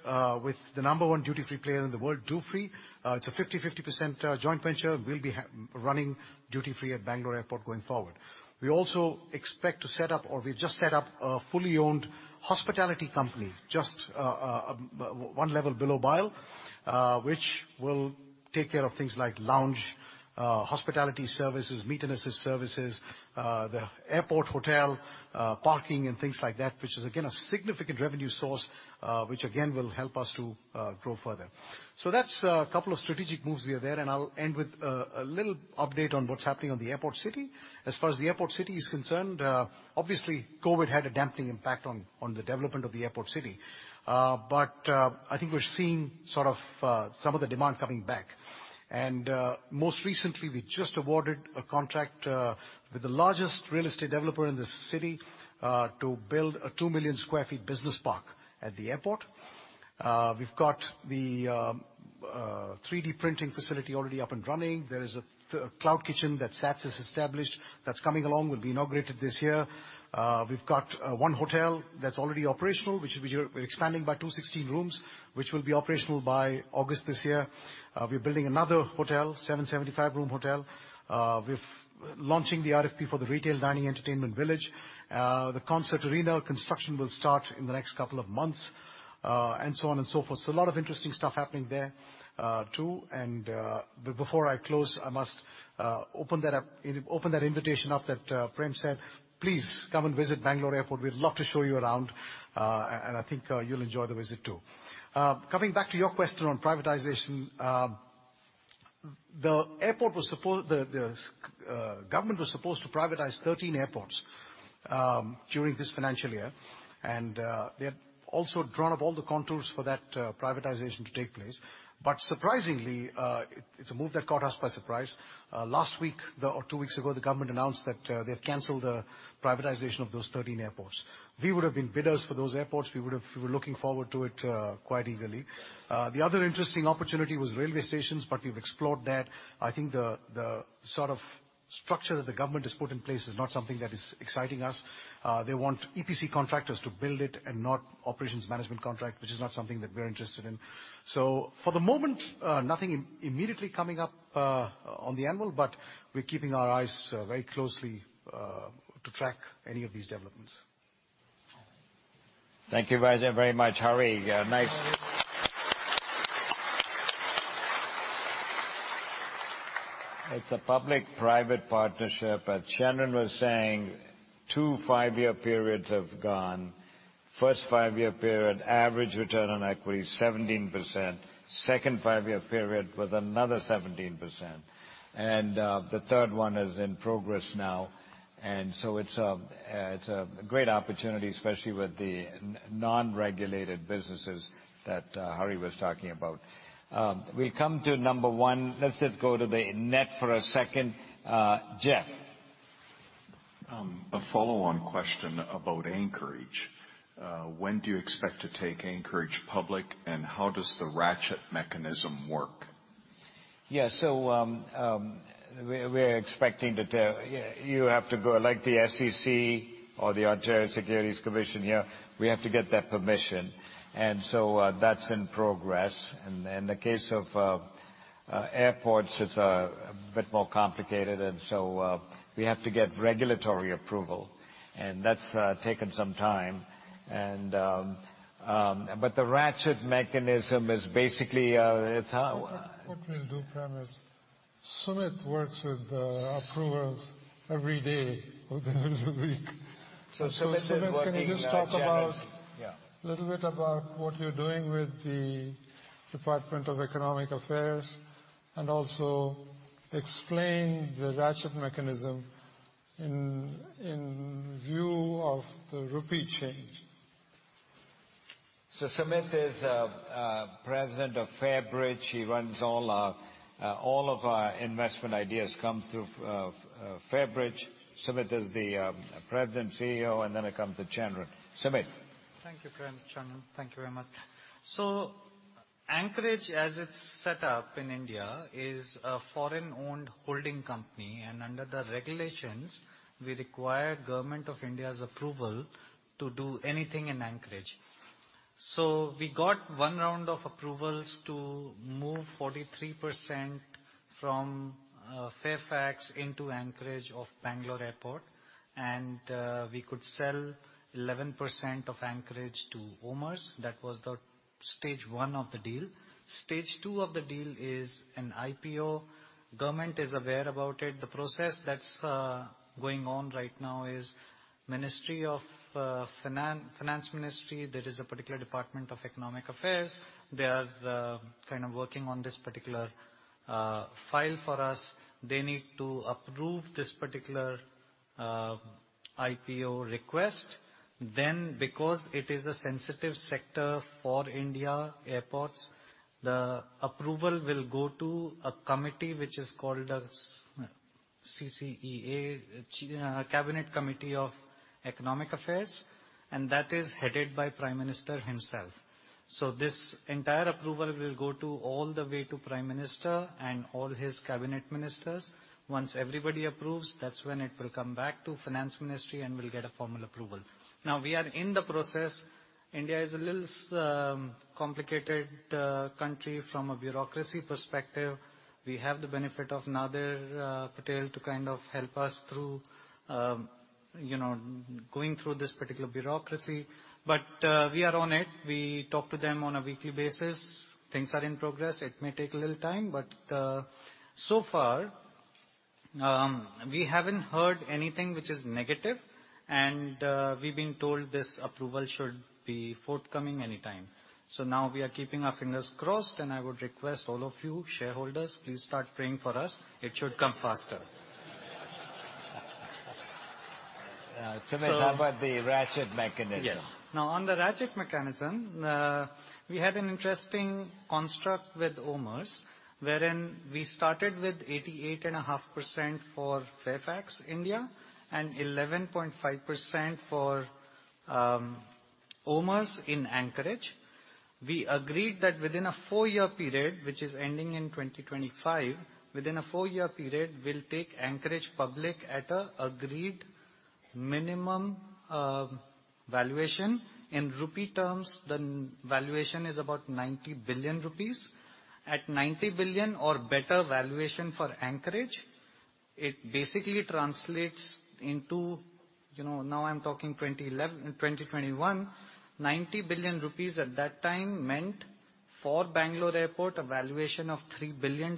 with the number one duty free player in the world, Dufry. It's a 50-50% joint venture. We'll be running duty free at Bangalore Airport going forward. We also expect to set up, or we've just set up a fully owned hospitality company, just one level below BIAL, which will take care of things like lounge, hospitality services, meet and assist services, the airport hotel, parking and things like that, which is again a significant revenue source, which again will help us to grow further. That's a couple of strategic moves there, and I'll end with a little update on what's happening on the airport city. As far as the airport city is concerned, obviously COVID had a dampening impact on the development of the airport city. I think we're seeing sort of some of the demand coming back. Most recently, we just awarded a contract with the largest real estate developer in the city to build a 2 million sq ft business park at the airport. We've got the 3D printing facility already up and running. There is a cloud kitchen that SATS has established that's coming along, will be inaugurated this year. We've got one hotel that's already operational, which we're expanding by 216 rooms, which will be operational by August this year. We're building another hotel, 775 room hotel. We're launching the RFP for the retail dining entertainment village. The concert arena construction will start in the next couple of months, and so on and so forth. A lot of interesting stuff happening there, too. But before I close, I must open that up, open that invitation up that Prem said, please come and visit Bangalore Airport. We'd love to show you around, I think you'll enjoy the visit too. Coming back to your question on privatization, the government was supposed to privatize 13 airports during this financial year. They had also drawn up all the contours for that privatization to take place. Surprisingly, it's a move that caught us by surprise. Last week or two weeks ago, the government announced that they've canceled the privatization of those 13 airports. We would have been bidders for those airports. We were looking forward to it quite eagerly. The other interesting opportunity was railway stations, we've explored that. I think the sort of structure that the government has put in place is not something that is exciting us. They want EPC contractors to build it and not operations management contract, which is not something that we're interested in. For the moment, nothing immediately coming up on the anvil, but we're keeping our eyes very closely to track any of these developments. Thank you, Vijay, very much. Hari, next. It's a public-private partnership. As Chandran was saying, two five-year periods have gone. First five-year period, average return on equity, 17%. Second five-year period with another 17%. The third one is in progress now, it's a great opportunity, especially with the non-regulated businesses that Hari was talking about. We come to number one. Let's just go to the net for a second. Jeff. A follow-on question about Anchorage. When do you expect to take Anchorage public, and how does the ratchet mechanism work? Yeah. We're expecting to tell. You have to go, like the SEC or the Ontario Securities Commission here, we have to get their permission. That's in progress. In the case of airports, it's a bit more complicated. We have to get regulatory approval. That's taken some time. The ratchet mechanism is basically. What we'll do, Prem, is Sumit works with approvals every day of the week. Sumit is working. Sumit, can you just talk about... Yeah. Little bit about what you're doing with the Department of Economic Affairs, and also explain the ratchet mechanism in view of the rupee change. Sumit is President of Fairbridge. He runs all our, all of our investment ideas come through Fairbridge. Sumit is the President, CEO. It comes to Chandran. Sumit. Thank you, Prem Watsa, Chandran Ratnaswami. Thank you very much. Anchorage, as it's set up in India, is a foreign-owned holding company. Under the regulations, we require Government of India's approval to do anything in Anchorage. We got one round of approvals to move 43% from Fairfax into Anchorage of Bangalore Airport. We could sell 11% of Anchorage to OMERS. That was the stage one of the deal. Stage two of the deal is an IPO. Government is aware about it. The process that's going on right now is Ministry of Finance Ministry, there is a particular Department of Economic Affairs. They are kind of working on this particular file for us. They need to approve this particular IPO request. Because it is a sensitive sector for India airports, the approval will go to a committee which is called CCEA, Cabinet Committee on Economic Affairs, and that is headed by Prime Minister himself. This entire approval will go to all the way to Prime Minister and all his cabinet ministers. Once everybody approves, that's when it will come back to Finance Ministry and will get a formal approval. We are in the process. India is a little complicated country from a bureaucracy perspective. We have the benefit of Nadir Patel to kind of help us through, you know, going through this particular bureaucracy. We are on it. We talk to them on a weekly basis. Things are in progress. It may take a little time. So far, we haven't heard anything which is negative. We've been told this approval should be forthcoming anytime. Now we are keeping our fingers crossed, and I would request all of you shareholders, please start praying for us. It should come faster. Sumit, how about the ratchet mechanism? Yes. Now, on the ratchet mechanism, we had an interesting construct with OMERS, wherein we started with 88.5% for Fairfax India and 11.5% for OMERS in Anchorage. We agreed that within a four-year period, which is ending in 2025, within a four-year period, we'll take Anchorage public at an agreed minimum valuation. In INR terms, the valuation is about 90 billion rupees. At 90 billion or better valuation for Anchorage, it basically translates into, you know, now I'm talking 2021, 90 billion rupees at that time meant, for Bangalore Airport, a valuation of $3 billion.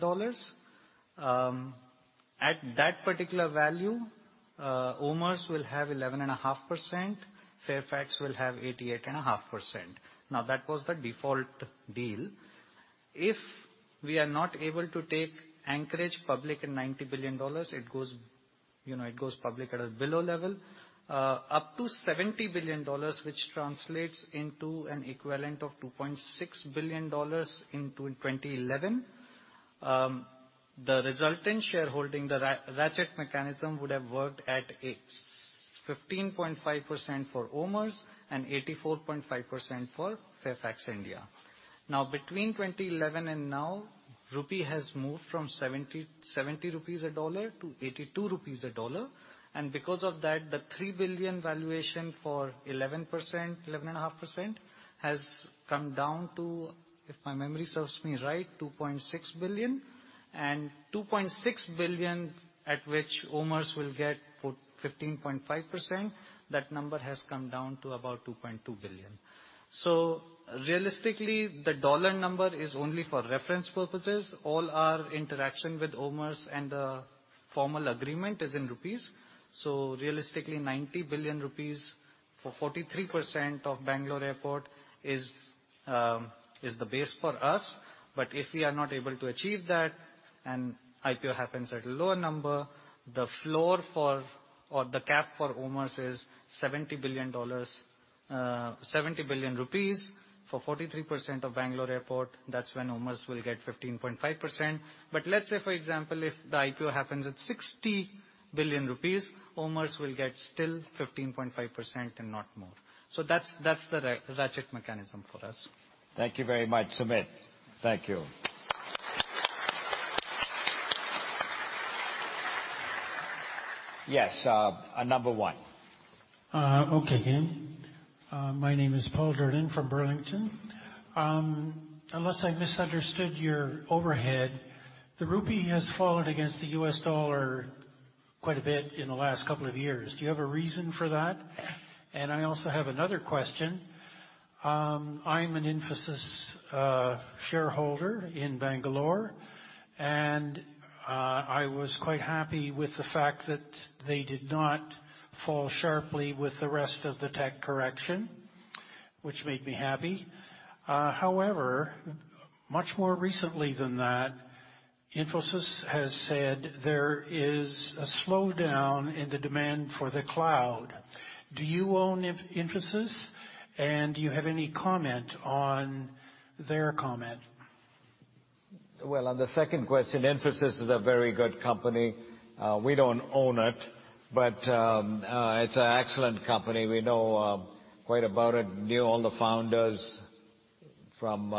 At that particular value, OMERS will have 11.5%. Fairfax will have 88.5%. Now, that was the default deal. If we are not able to take Anchorage public in $90 billion, it goes, you know, it goes public at a below level, up to $70 billion, which translates into an equivalent of $2.6 billion in 2011. The resultant shareholding, the ratchet mechanism would have worked at 15.5% for OMERS and 84.5% for Fairfax India. Between 2011 and now, rupee has moved from 70 rupees a dollar to 82 rupees a dollar. Because of that, the $3 billion valuation for 11%, 11.5% has come down to, if my memory serves me right, $2.6 billion. Two point six billion, at which OMERS will get for 15.5%, that number has come down to about $2.2 billion. Realistically, the dollar number is only for reference purposes. All our interaction with OMERS and the formal agreement is in rupees. Realistically, 90 billion rupees for 43% of Bangalore Airport is the base for us. If we are not able to achieve that, and IPO happens at a lower number, the floor for, or the cap for OMERS is INR 70 billion for 43% of Bangalore Airport. That's when OMERS will get 15.5%. Let's say, for example, if the IPO happens at 60 billion rupees, OMERS will get still 15.5% and not more. That's the ratchet mechanism for us. Thank you very much, Sumit. Thank you. Yes, number one. Okay again. My name is Paul Durden from Burlington. Unless I misunderstood your overhead, the rupee has fallen against the US dollar quite a bit in the last couple of years. Do you have a reason for that? I also have another question. I'm an Infosys shareholder in Bangalore, and I was quite happy with the fact that they did not fall sharply with the rest of the tech correction, which made me happy. However, much more recently than that, Infosys has said there is a slowdown in the demand for the cloud. Do you own Infosys? Do you have any comment on their comment? On the second question, Infosys is a very good company. We don't own it, but it's an excellent company. We know quite about it. Knew all the founders from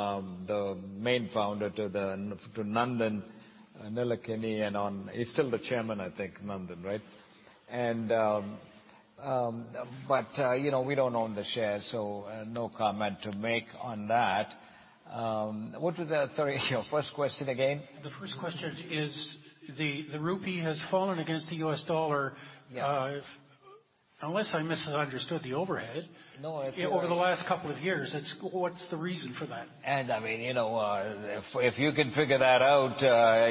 the main founder to Nandan Nilekani and on. He's still the chairman, I think, Nandan, right? But, you know, we don't own the shares, so no comment to make on that. What was the, sorry, your first question again? The first question is the rupee has fallen against the U.S. dollar- Yeah. Unless I misunderstood the overhead. No, it's- Over the last couple of years. What's the reason for that? I mean, you know, if you can figure that out,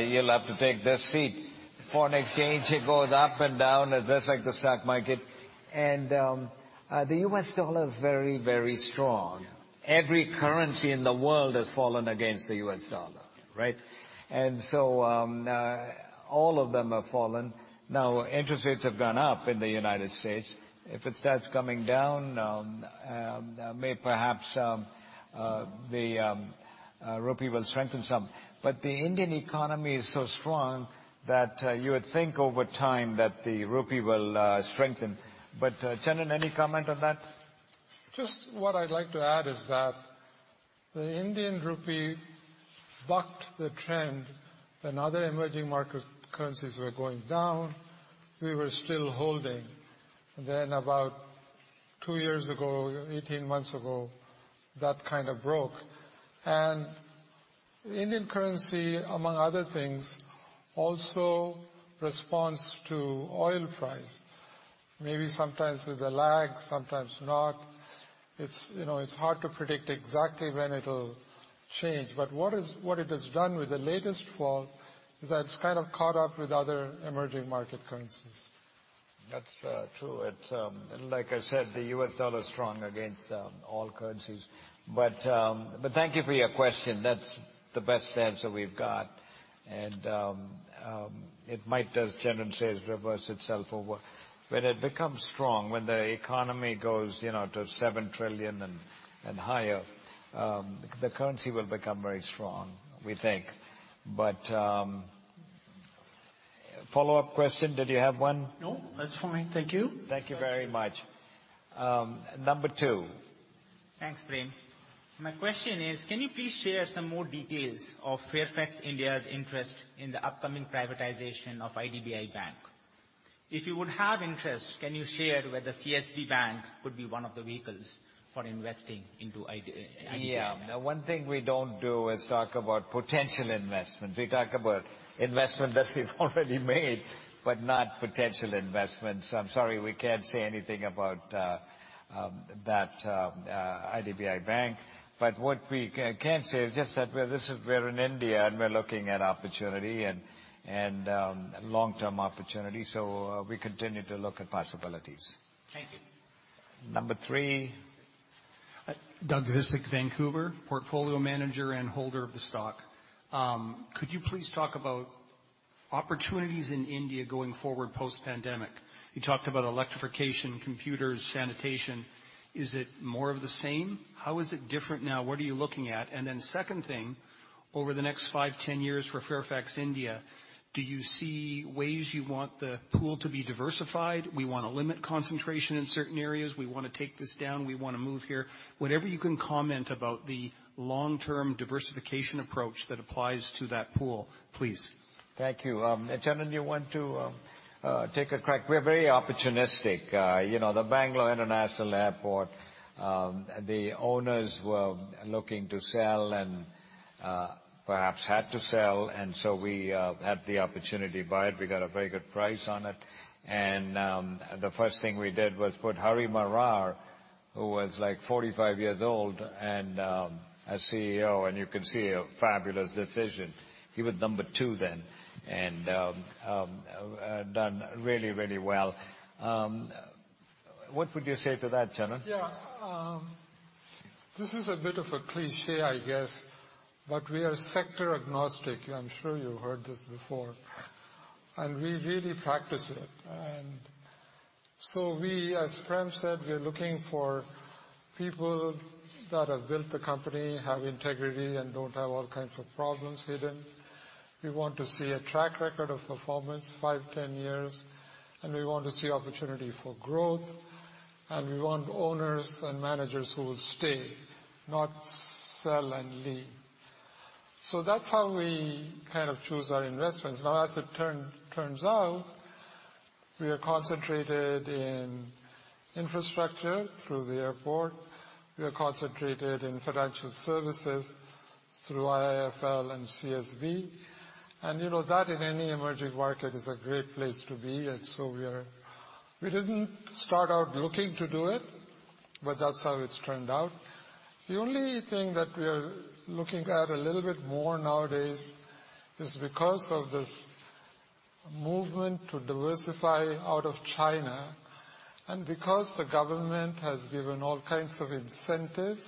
you'll have to take this seat. Foreign exchange, it goes up and down just like the stock market. The U.S. dollar is very, very strong. Every currency in the world has fallen against the U.S. dollar, right? All of them have fallen. Now, interest rates have gone up in the United States. If it starts coming down, may perhaps the rupee will strengthen some. The Indian economy is so strong that you would think over time that the rupee will strengthen. Chandran, any comment on that? Just what I'd like to add is that the Indian rupee bucked the trend when other emerging market currencies were going down, we were still holding. About two years ago, 18 months ago, that kind of broke. Indian currency, among other things, also responds to oil price. Maybe sometimes there's a lag, sometimes not. It's, you know, it's hard to predict exactly when it'll change. What it has done with the latest fall is that it's kind of caught up with other emerging market currencies. That's true. It's like I said, the U.S. dollar is strong against all currencies. Thank you for your question. That's the best answer we've got. It might, as Chandan says, reverse itself over. When it becomes strong, when the economy goes, you know, to $7 trillion and higher, the currency will become very strong, we think. Follow-up question. Did you have one? No, that's fine. Thank you. Thank you very much. Number two. Thanks, Prem. My question is, can you please share some more details of Fairfax India's interest in the upcoming privatization of IDBI Bank? If you would have interest, can you share whether CSB Bank could be one of the vehicles for investing into IDBI? The one thing we don't do is talk about potential investments. We talk about investments that we've already made, but not potential investments. I'm sorry, we can't say anything about that IDBI Bank. What we can say is just that we're in India, and we're looking at opportunity and long-term opportunity. We continue to look at possibilities. Thank you. Number three. Doug Hiscox, Vancouver, portfolio manager and holder of the stock. Could you please talk about opportunities in India going forward post-pandemic? You talked about electrification, computers, sanitation. Is it more of the same? How is it different now? What are you looking at? Second thing, over the next five, 10years for Fairfax India, do you see ways you wanna the pool to be diversified? We wanna limit concentration in certain areas. We wanna take this down. We wanna move here. Whatever you can comment about the long-term diversification approach that applies to that pool, please. Thank you. Chandran, do you want to take a crack? We're very opportunistic. You know, the Bangalore International Airport, the owners were looking to sell and perhaps had to sell, and so we had the opportunity to buy it. We got a very good price on it. The first thing we did was put Hari Marar, who was, like, 45 years old, and as CEO, and you can see a fabulous decision. He was number two then and done really, really well. What would you say to that, Chandran? This is a bit of a cliché, I guess, but we are sector agnostic. I'm sure you heard this before. We really practice it. We, as Prem said, we are looking for people that have built the company, have integrity, and don't have all kinds of problems hidden. We want to see a track record of performance 5, 10 years, and we want to see opportunity for growth. We want owners and managers who will stay, not sell and leave. So that's how we kind of choose our investments. As it turns out, we are concentrated in infrastructure through the airport. We are concentrated in financial services through IIFL and CSB. You know that in any emerging market is a great place to be. We are. We didn't start out looking to do it, but that's how it's turned out. The only thing that we are looking at a little bit more nowadays is because of this movement to diversify out of China, and because the government has given all kinds of incentives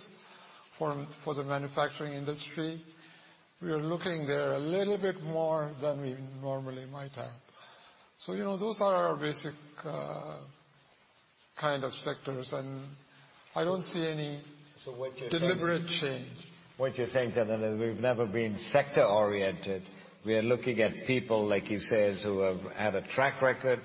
for the manufacturing industry, we are looking there a little bit more than we normally might have. You know, those are our basic, kind of sectors, and I don't see any deliberate change. What you're saying, Chandan, is we've never been sector-oriented. We are looking at people, like he says, who have had a track record.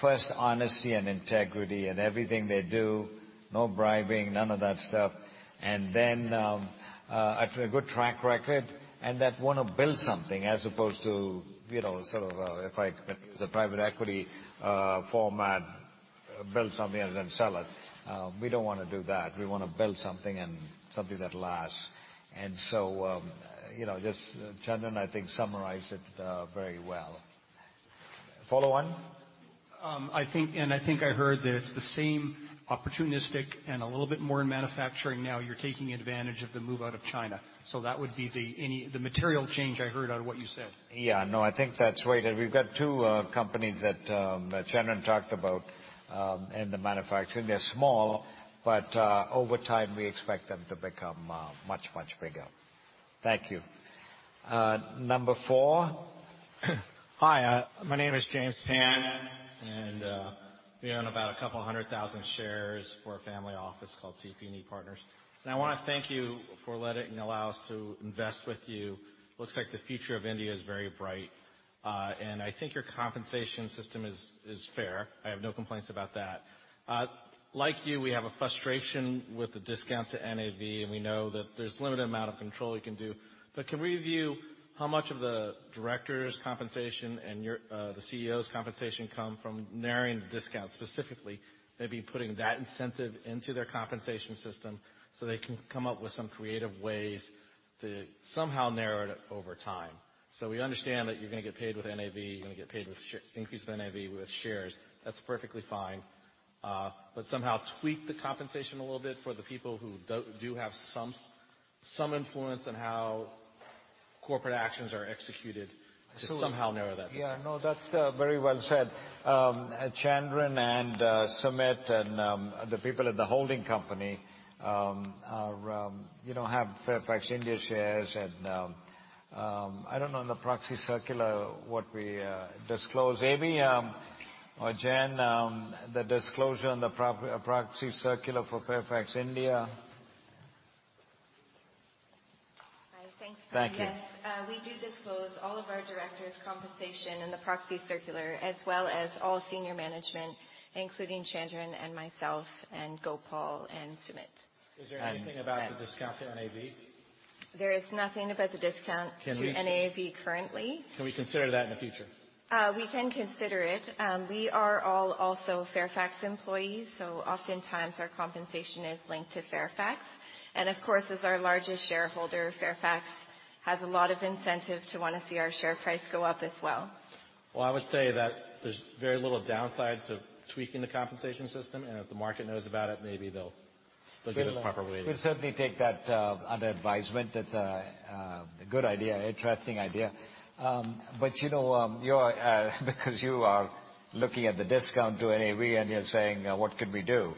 First honesty and integrity in everything they do. No bribing, none of that stuff. Then, a good track record and that wanna build something as opposed to, you know, sort of, if I, the private equity format, build something and then sell it. We don't wanna do that. We wanna build something and something that lasts. So, you know, just Chandan, I think, summarized it very well. Follow on? I think, and I think I heard that it's the same opportunistic and a little bit more in manufacturing now. You're taking advantage of the move out of China. That would be the material change I heard out of what you said. Yeah. No, I think that's right. We've got two companies that Chandan talked about in the manufacturing. They're small, but over time, we expect them to become much, much bigger. Thank you. Number four. Hi, my name is James Pan, we own about a couple hundred thousand shares for a family office called CP&E Partners. I wanna thank you for letting allow us to invest with you. Looks like the future of India is very bright. And I think your compensation system is fair. I have no complaints about that. Like you, we have a frustration with the discount to NAV, and we know that there's limited amount of control you can do. Can we review how much of the directors' compensation and your the CEO's compensation come from narrowing the discount specifically, maybe putting that incentive into their compensation system so they can come up with some creative ways to somehow narrow it over time? We understand that you're gonna get paid with NAV, you're gonna get paid with increase with NAV with shares. That's perfectly fine. Somehow tweak the compensation a little bit for the people who do have some influence on how corporate actions are executed to somehow narrow that discount. Yeah, no, that's very well said. Chandran and Sumit and the people at the holding company are, you know, have Fairfax India shares. I don't know in the proxy circular what we disclose. Amy or Jen, the disclosure on the pro-proxy circular for Fairfax India. Hi. Thanks. Thank you. Yes. We do disclose all of our directors' compensation in the proxy circular as well as all senior management, including Chandran and myself and Gopal and Sumit. Is there anything about the discount to NAV? There is nothing about the discount to NAV currently. Can we consider that in the future? We can consider it. We are all also Fairfax employees, so oftentimes our compensation is linked to Fairfax. Of course, as our largest shareholder, Fairfax has a lot of incentive to want to see our share price go up as well. Well, I would say that there's very little downsides of tweaking the compensation system. If the market knows about it, maybe they'll give it a proper weighting. We'll certainly take that under advisement. That's a good idea. Interesting idea. You know, because you are looking at the discount to NAV and you're saying, "What could we do?"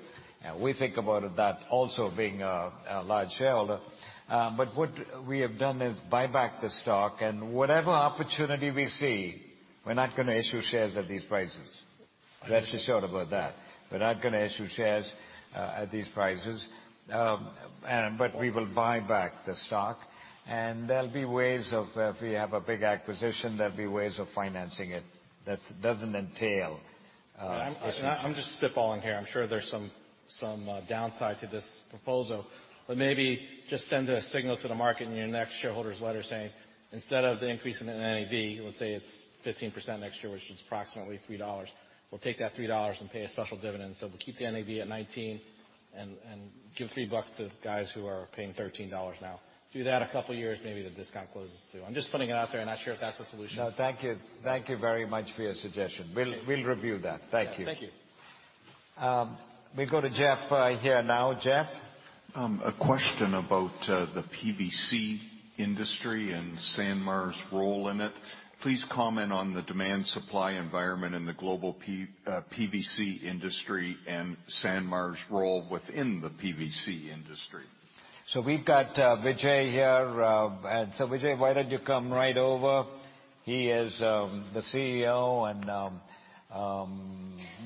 We think about that also being a large shareholder. What we have done is buy back the stock and whatever opportunity we see, we're not gonna issue shares at these prices. Rest assured about that. We're not gonna issue shares at these prices. We will buy back the stock, and there'll be ways of, if we have a big acquisition, there'll be ways of financing it that doesn't entail issuing. I'm just spitballing here. I'm sure there's some downside to this proposal. Maybe just send a signal to the market in your next shareholder's letter saying, "Instead of the increase in the NAV," let's say it's 15% next year, which is approximately $3, "we'll take that $3 and pay a special dividend." We'll keep the NAV at $19 and give $3 bucks to guys who are paying $13 now. Do that a couple of years, maybe the discount closes too. I'm just putting it out there. Not sure if that's a solution. No. Thank you. Thank you very much for your suggestion. We'll review that. Thank you. Thank you. We go to Jeff here now. Jeff. A question about the PVC industry and Sanmar's role in it. Please comment on the demand supply environment in the global PVC industry and Sanmar's role within the PVC industry. We've got Vijay here. Vijay, why don't you come right over? He is,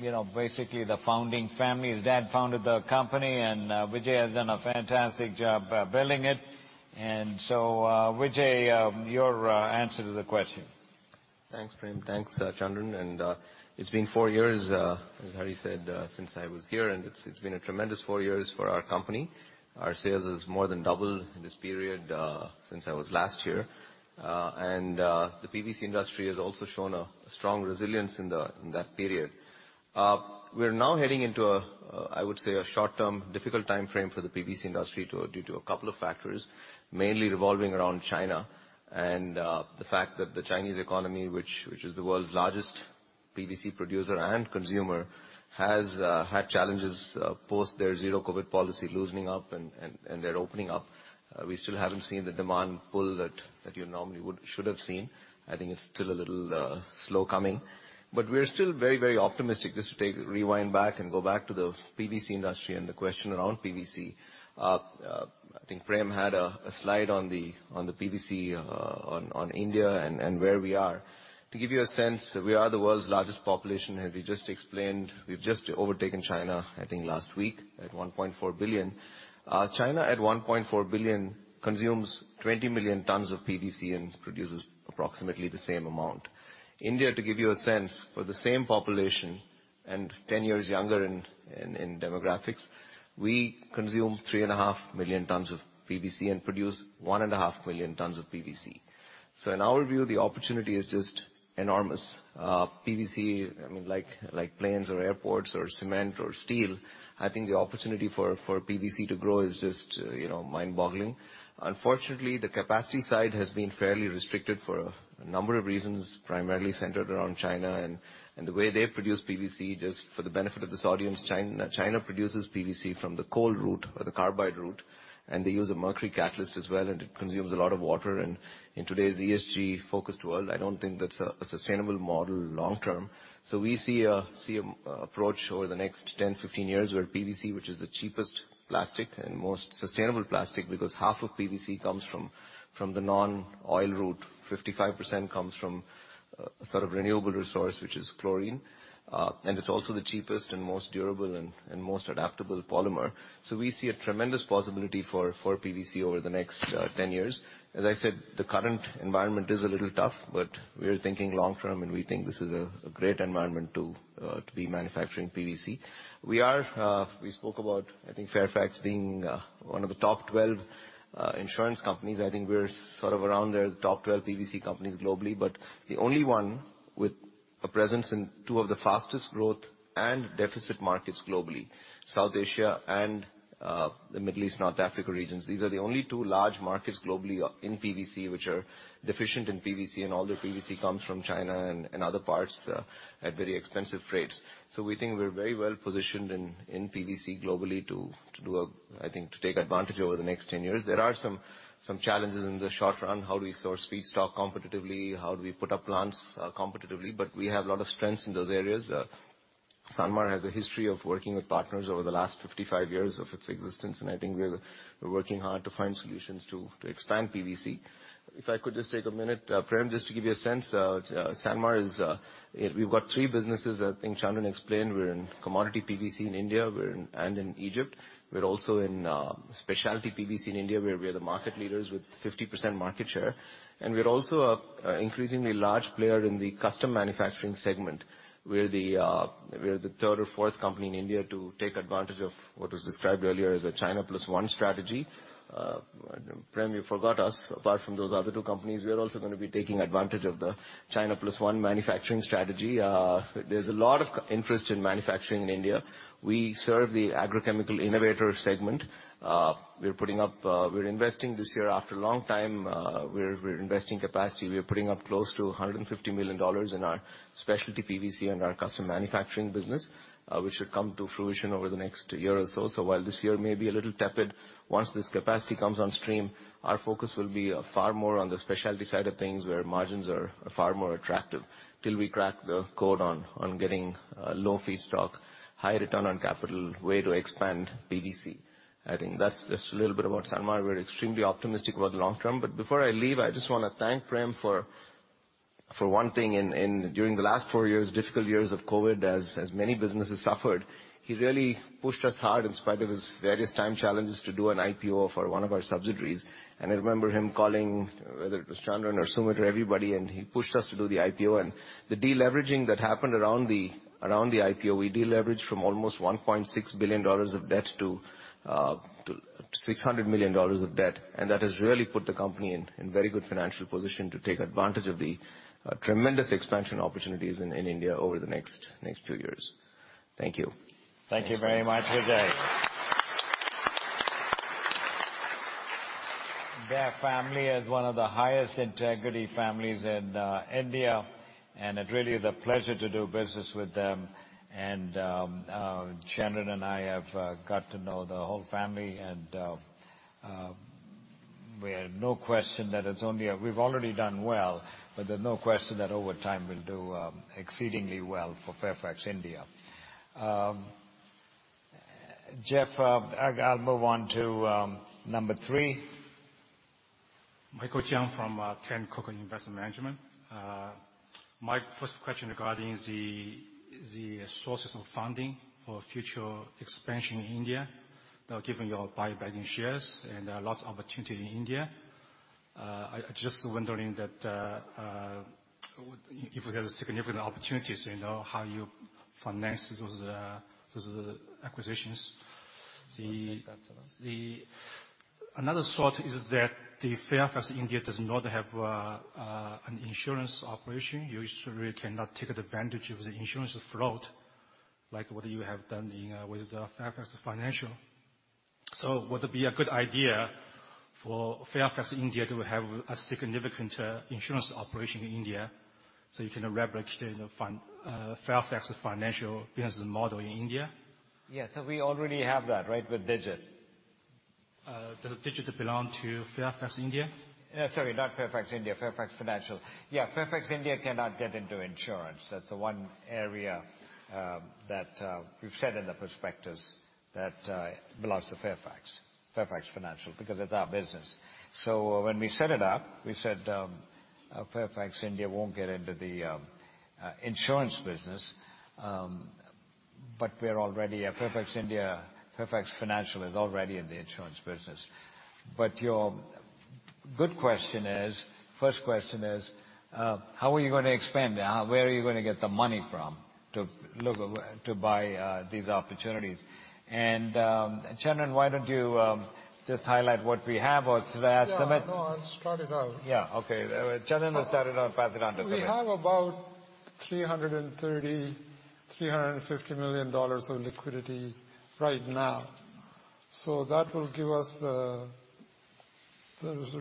you know, basically the founding family. His dad founded the company, Vijay has done a fantastic job building it. Vijay, your answer to the question. Thanks, Prem. Thanks, Chandan. It's been four years, as Hari said, since I was here, and it's been a tremendous four years for our company. Our sales has more than doubled in this period, since I was last here. The PVC industry has also shown a strong resilience in that period. We're now heading into I would say a short-term difficult timeframe for the PVC industry due to a couple of factors, mainly revolving around China and the fact that the Chinese economy, which is the world's largest PVC producer and consumer, has had challenges post their zero COVID policy loosening up and their opening up. We still haven't seen the demand pull that you normally would should have seen. I think it's still a little slow coming. We're still very, very optimistic. Just to rewind back and go back to the PVC industry and the question around PVC. I think Prem had a slide on the PVC on India and where we are. To give you a sense, we are the world's largest population, as he just explained. We've just overtaken China, I think last week, at 1.4 billion. China at 1.4 billion consumes 20 million tons of PVC and produces approximately the same amount. India, to give you a sense, for the same population and 10 years younger in demographics, we consume 3.5 million tons of PVC and produce 1.5 million tons of PVC. In our view, the opportunity is just enormous. PVC, I mean, like planes or airports or cement or steel, I think the opportunity for PVC to grow is just, you know, mind-boggling. Unfortunately, the capacity side has been fairly restricted for a number of reasons, primarily centered around China and the way they produce PVC. Just for the benefit of this audience, China produces PVC from the coal route or the carbide route, and they use a mercury catalyst as well, and it consumes a lot of water. In today's ESG-focused world, I don't think that's a sustainable model long term. We see a approach over the next 10, 15 years where PVC, which is the cheapest plastic and most sustainable plastic, because half of PVC comes from the non-oil route. 55% comes from sort of renewable resource, which is chlorine. It's also the cheapest and most durable and most adaptable polymer. We see a tremendous possibility for PVC over the next 10 years. As I said, the current environment is a little tough, but we are thinking long term, and we think this is a great environment to be manufacturing PVC. We spoke about, I think, Fairfax being one of the top 12 insurance companies. I think we're sort of around the top 12 PVC companies globally, but the only one with a presence in 2 of the fastest growth and deficit markets globally, South Asia and the Middle East, North Africa regions. These are the only two large markets globally in PVC, which are deficient in PVC, and all the PVC comes from China and other parts at very expensive rates. We think we're very well positioned in PVC globally to do a, I think, to take advantage over the next 10 years. There are some challenges in the short run. How do we source feedstock competitively? How do we put up plants competitively? We have a lot of strengths in those areas. Sanmar has a history of working with partners over the last 55 years of its existence, and I think we're working hard to find solutions to expand PVC. If I could just take a minute, Prem, just to give you a sense, Sanmar is, we've got three businesses. I think Chandran explained we're in commodity PVC in India, and in Egypt. We're also in specialty PVC in India, where we are the market leaders with 50% market share. We're also a increasingly large player in the custom manufacturing segment. We're the third or fourth company in India to take advantage of what was described earlier as a China plus one strategy. Prem, you forgot us. Apart from those other two companies, we're also gonna be taking advantage of the China plus one manufacturing strategy. There's a lot of interest in manufacturing in India. We serve the agrochemical innovator segment. We're putting up, we're investing this year, after a long time, we're investing capacity. We're putting up close to $150 million in our specialty PVC and our custom manufacturing business, which should come to fruition over the next year or so. While this year may be a little tepid, once this capacity comes on stream, our focus will be far more on the specialty side of things, where margins are far more attractive, till we crack the code on getting low feedstock, high return on capital way to expand PVC. I think that's just a little bit about Sanmar. Before I leave, I just wanna thank Prem for one thing. During the last four years, difficult years of COVID, as many businesses suffered, he really pushed us hard in spite of his various time challenges to do an IPO for one of our subsidiaries. I remember him calling, whether it was Chandan or Sumit or everybody, and he pushed us to do the IPO. The deleveraging that happened around the IPO, we deleveraged from almost $1.6 billion of debt to $600 million of debt. That has really put the company in very good financial position to take advantage of the tremendous expansion opportunities in India over the next few years. Thank you. Thank you very much, Vijay. Their family is one of the highest integrity families in India, and it really is a pleasure to do business with them. Chandan and I have got to know the whole family and we have no question that We've already done well, there's no question that over time we'll do exceedingly well for Fairfax India. Jeff, I'll move on to number three. Michael Chiang from Ten Coco Investment Management. My first question regarding the sources of funding for future expansion in India. Now given your buyback in shares and lots of opportunity in India, I just wondering that if we have significant opportunities, you know, how you finance those acquisitions. Another thought is that Fairfax India does not have an insurance operation. You certainly cannot take advantage of the insurance float like what you have done in with Fairfax Financial. Would it be a good idea for Fairfax India to have a significant insurance operation in India, so you can replicate, you know, Fairfax Financial business model in India? Yes. We already have that, right, with Digit. Does Digit belong to Fairfax India? Sorry, not Fairfax India, Fairfax Financial. Fairfax India cannot get into insurance. That's the one area that we've said in the prospectus that belongs to Fairfax Financial, because it's our business. When we set it up, we said Fairfax India won't get into the insurance business. Fairfax India, Fairfax Financial is already in the insurance business. Your good question is, first question is, how are you gonna expand? Where are you gonna get the money from to look to buy these opportunities? Chandan, why don't you just highlight what we have or ask Sumit- Yeah. No, I'll start it out. Yeah. Okay. Chandan will start it out and pass it on to Sumit. We have about $330 million-$350 million of liquidity right now. That will give us the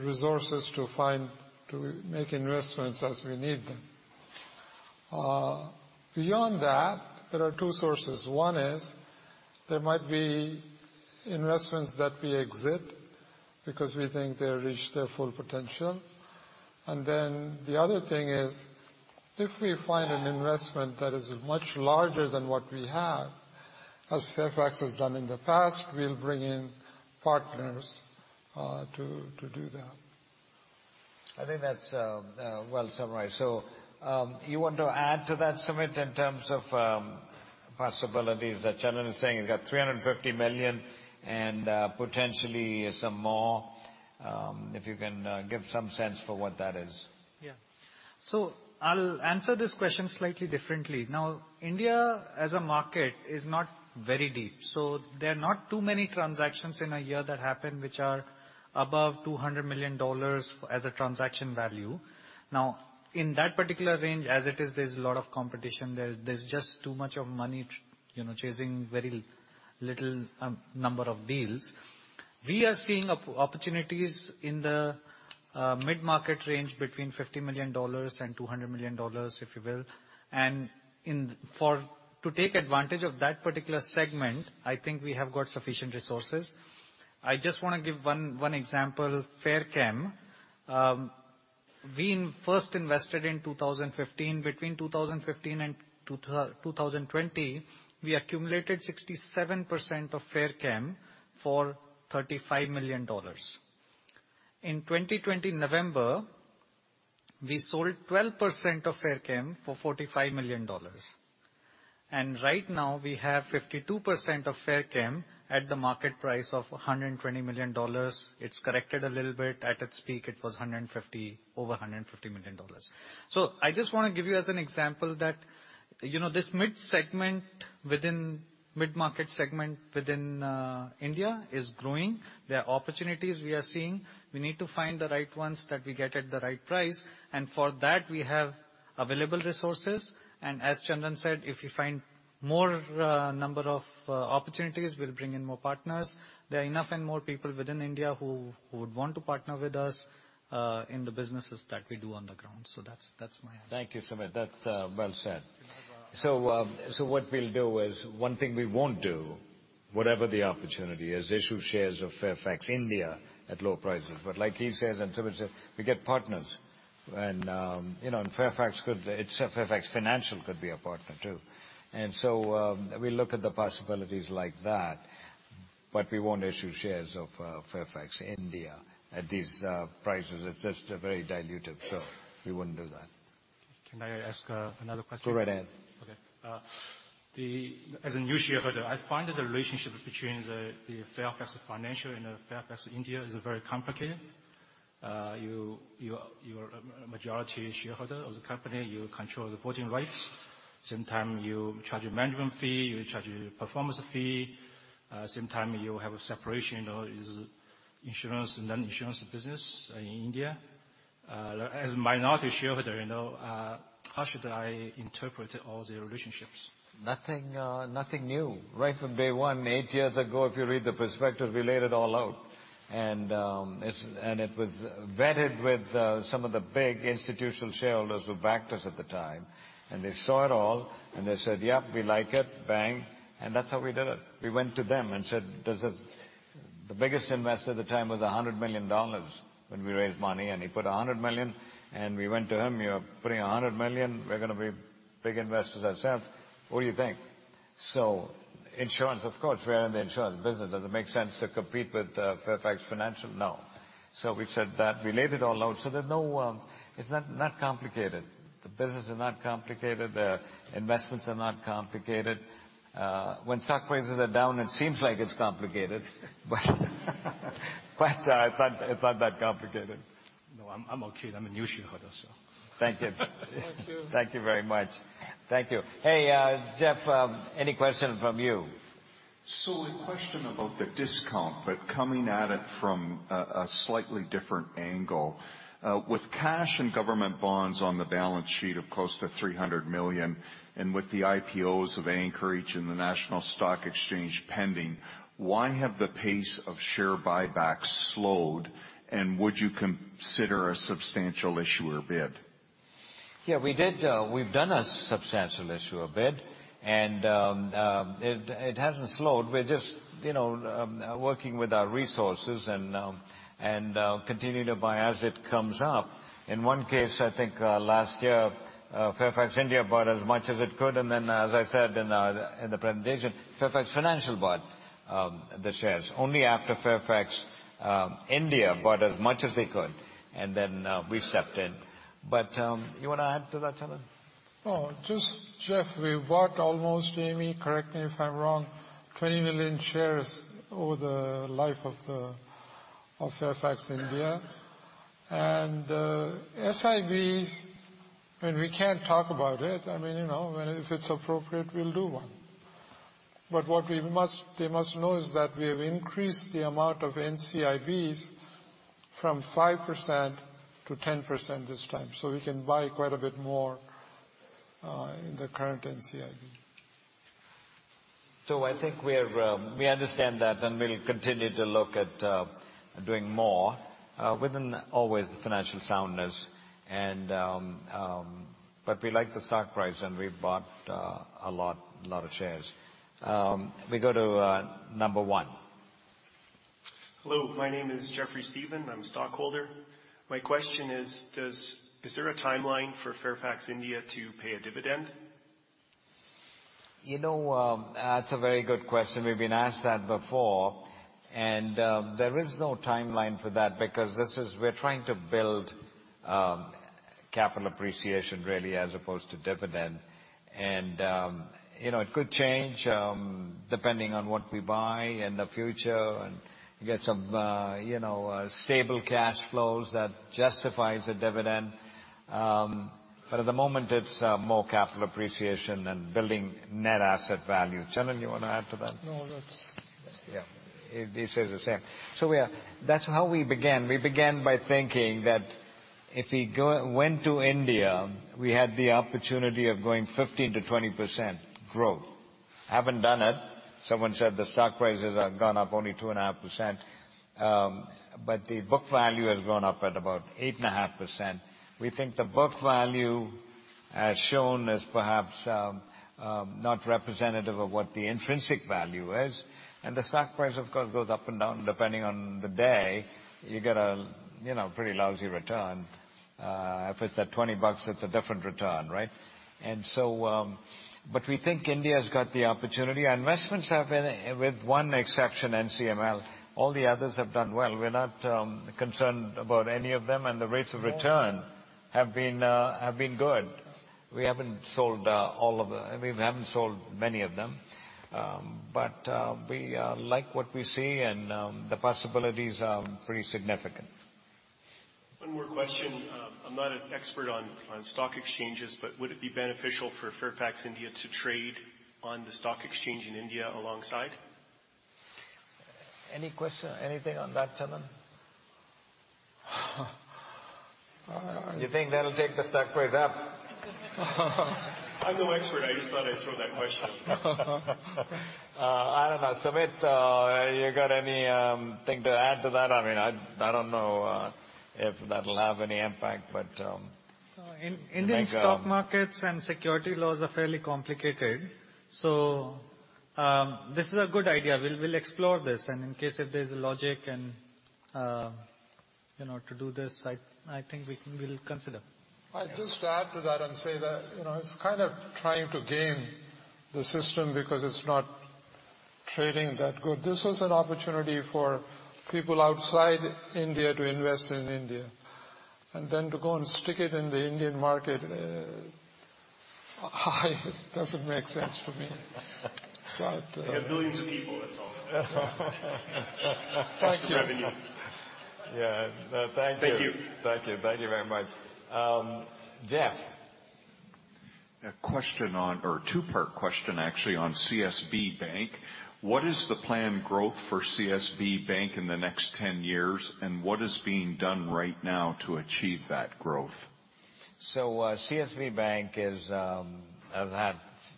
resources to make investments as we need them. Beyond that, there are two sources. One is there might be investments that we exit because we think they reached their full potential. The other thing is, if we find an investment that is much larger than what we have, as Fairfax has done in the past, we'll bring in partners to do that. I think that's well summarized. You want to add to that, Sumit, in terms of possibilities that Chandran is saying? You've got $350 million and potentially some more, if you can give some sense for what that is. Yeah. I'll answer this question slightly differently. India as a market is not very deep, so there are not too many transactions in a year that happen which are above $200 million as a transaction value. In that particular range as it is, there's a lot of competition. There's just too much of money, you know, chasing very little number of deals. We are seeing opportunities in the mid-market range between $50 million and $200 million, if you will. To take advantage of that particular segment, I think we have got sufficient resources. I just wanna give one example, Fairchem. We first invested in 2015. Between 2015 and 2020, we accumulated 67% of Fairchem for $35 million. In 2020 November, we sold 12% of Fairchem for $45 million. Right now, we have 52% of Fairchem at the market price of $120 million. It's corrected a little bit. At its peak, it was 150, over $150 million. I just wanna give you as an example that, you know, this mid-market segment within India is growing. There are opportunities we are seeing. We need to find the right ones that we get at the right price, and for that, we have available resources. As Chandan said, if we find more number of opportunities, we'll bring in more partners. There are enough and more people within India who would want to partner with us in the businesses that we do on the ground. That's my answer. Thank you, Sumit. That's well said. What we'll do is one thing we won't do, whatever the opportunity is, issue shares of Fairfax India at low prices. Like he says and Sumit said, we get partners, you know, Fairfax Financial could be a partner too. We look at the possibilities like that, but we won't issue shares of Fairfax India at these prices. It's just very dilutive. We wouldn't do that. Can I ask another question? Go right ahead. Okay. As a new shareholder, I find that the relationship between the Fairfax Financial and Fairfax India is very complicated. You are a majority shareholder of the company. You control the voting rights. Same time, you charge a management fee, you charge a performance fee. Same time, you have a separation of insurance and non-insurance business in India. As minority shareholder, you know, how should I interpret all the relationships? Nothing, nothing new. Right from day one, eight years ago, if you read the prospectus, we laid it all out. It was vetted with some of the big institutional shareholders who backed us at the time. They saw it all, and they said, "Yep, we like it. Bang." That's how we did it. We went to them and said, "Does it..." The biggest investor at the time was $100 million when we raised money, and he put $100 million. We went to him, "You're putting $100 million. We're gonna be big investors ourselves. What do you think?" Insurance, of course, we are in the insurance business. Does it make sense to compete with Fairfax Financial? No. So we said that. We laid it all out so that no... It's not complicated. The business is not complicated. The investments are not complicated. When stock prices are down, it seems like it's complicated. It's not that complicated. No, I'm okay. I'm a new shareholder, so. Thank you. Thank you. Thank you very much. Thank you. Hey, Jeff, any question from you? A question about the discount, but coming at it from a slightly different angle. With cash and government bonds on the balance sheet of close to $300 million, and with the IPOs of Anchorage and the National Stock Exchange pending, why have the pace of share buybacks slowed? Would you consider a substantial issuer bid? Yeah, we did. We've done a substantial issuer bid. It hasn't slowed. We're just, you know, working with our resources and continue to buy as it comes up. In one case, I think last year, Fairfax India bought as much as it could. Then, as I said in the presentation, Fairfax Financial bought the shares only after Fairfax India bought as much as they could. Then, we stepped in. You wanna add to that, Chandran? No. Just Jeff, we bought almost, Jamie, correct me if I'm wrong, 20 million shares over the life of Fairfax India. SIVs, I mean, we can't talk about it. I mean, you know, if it's appropriate, we'll do one. They must know is that we have increased the amount of NCIBs from 5% to 10% this time. We can buy quite a bit more in the current NCIB. I think we're, we understand that, and we'll continue to look at doing more within always the financial soundness and, but we like the stock price, and we've bought a lot of shares. We go to number one. Hello, my name is Jeffrey Steven. I'm a stockholder. My question is there a timeline for Fairfax India to pay a dividend? You know, that's a very good question. We've been asked that before. There is no timeline for that because we're trying to build capital appreciation really as opposed to dividend. You know, it could change depending on what we buy in the future and get some, you know, stable cash flows that justifies a dividend. At the moment, it's more capital appreciation and building net asset value. Chandan, you wanna add to that? No. He says the same. That's how we began. We began by thinking that if we went to India, we had the opportunity of going 15%-20% growth. Haven't done it. Someone said the stock prices have gone up only 2.5%. But the book value has gone up at about 8.5%. We think the book value as shown is perhaps not representative of what the intrinsic value is. The stock price, of course, goes up and down depending on the day. You get a, you know, pretty lousy return. If it's at $20, it's a different return, right? But we think India has got the opportunity. Our investments have been, with one exception, NCML, all the others have done well. We're not concerned about any of them. The rates of return have been good. We haven't sold, I mean, we haven't sold many of them. We like what we see. The possibilities are pretty significant. One more question. I'm not an expert on stock exchanges, but would it be beneficial for Fairfax India to trade on the stock exchange in India alongside? Any question, anything on that, Chanan? Uh. You think that'll take the stock price up? I'm no expert. I just thought I'd throw that question in there. I don't know. Sumit, you got anything to add to that? I mean, I don't know if that'll have any impact, but. In Indian stock markets and security laws are fairly complicated. This is a good idea. We'll explore this. In case if there's a logic and, you know, to do this, I think we will consider. I just add to that and say that, you know, it's kind of trying to game the system because it's not trading that good. This was an opportunity for people outside India to invest in India. Then to go and stick it in the Indian market, it doesn't make sense to me. They have billions of people, that's all. Thank you. That's the revenue. Yeah. No, thank you. Thank you. Thank you. Thank you very much. Jeff. A question or a two-part question actually on CSB Bank. What is the planned growth for CSB Bank in the next 10 years, and what is being done right now to achieve that growth? CSB Bank is, has had,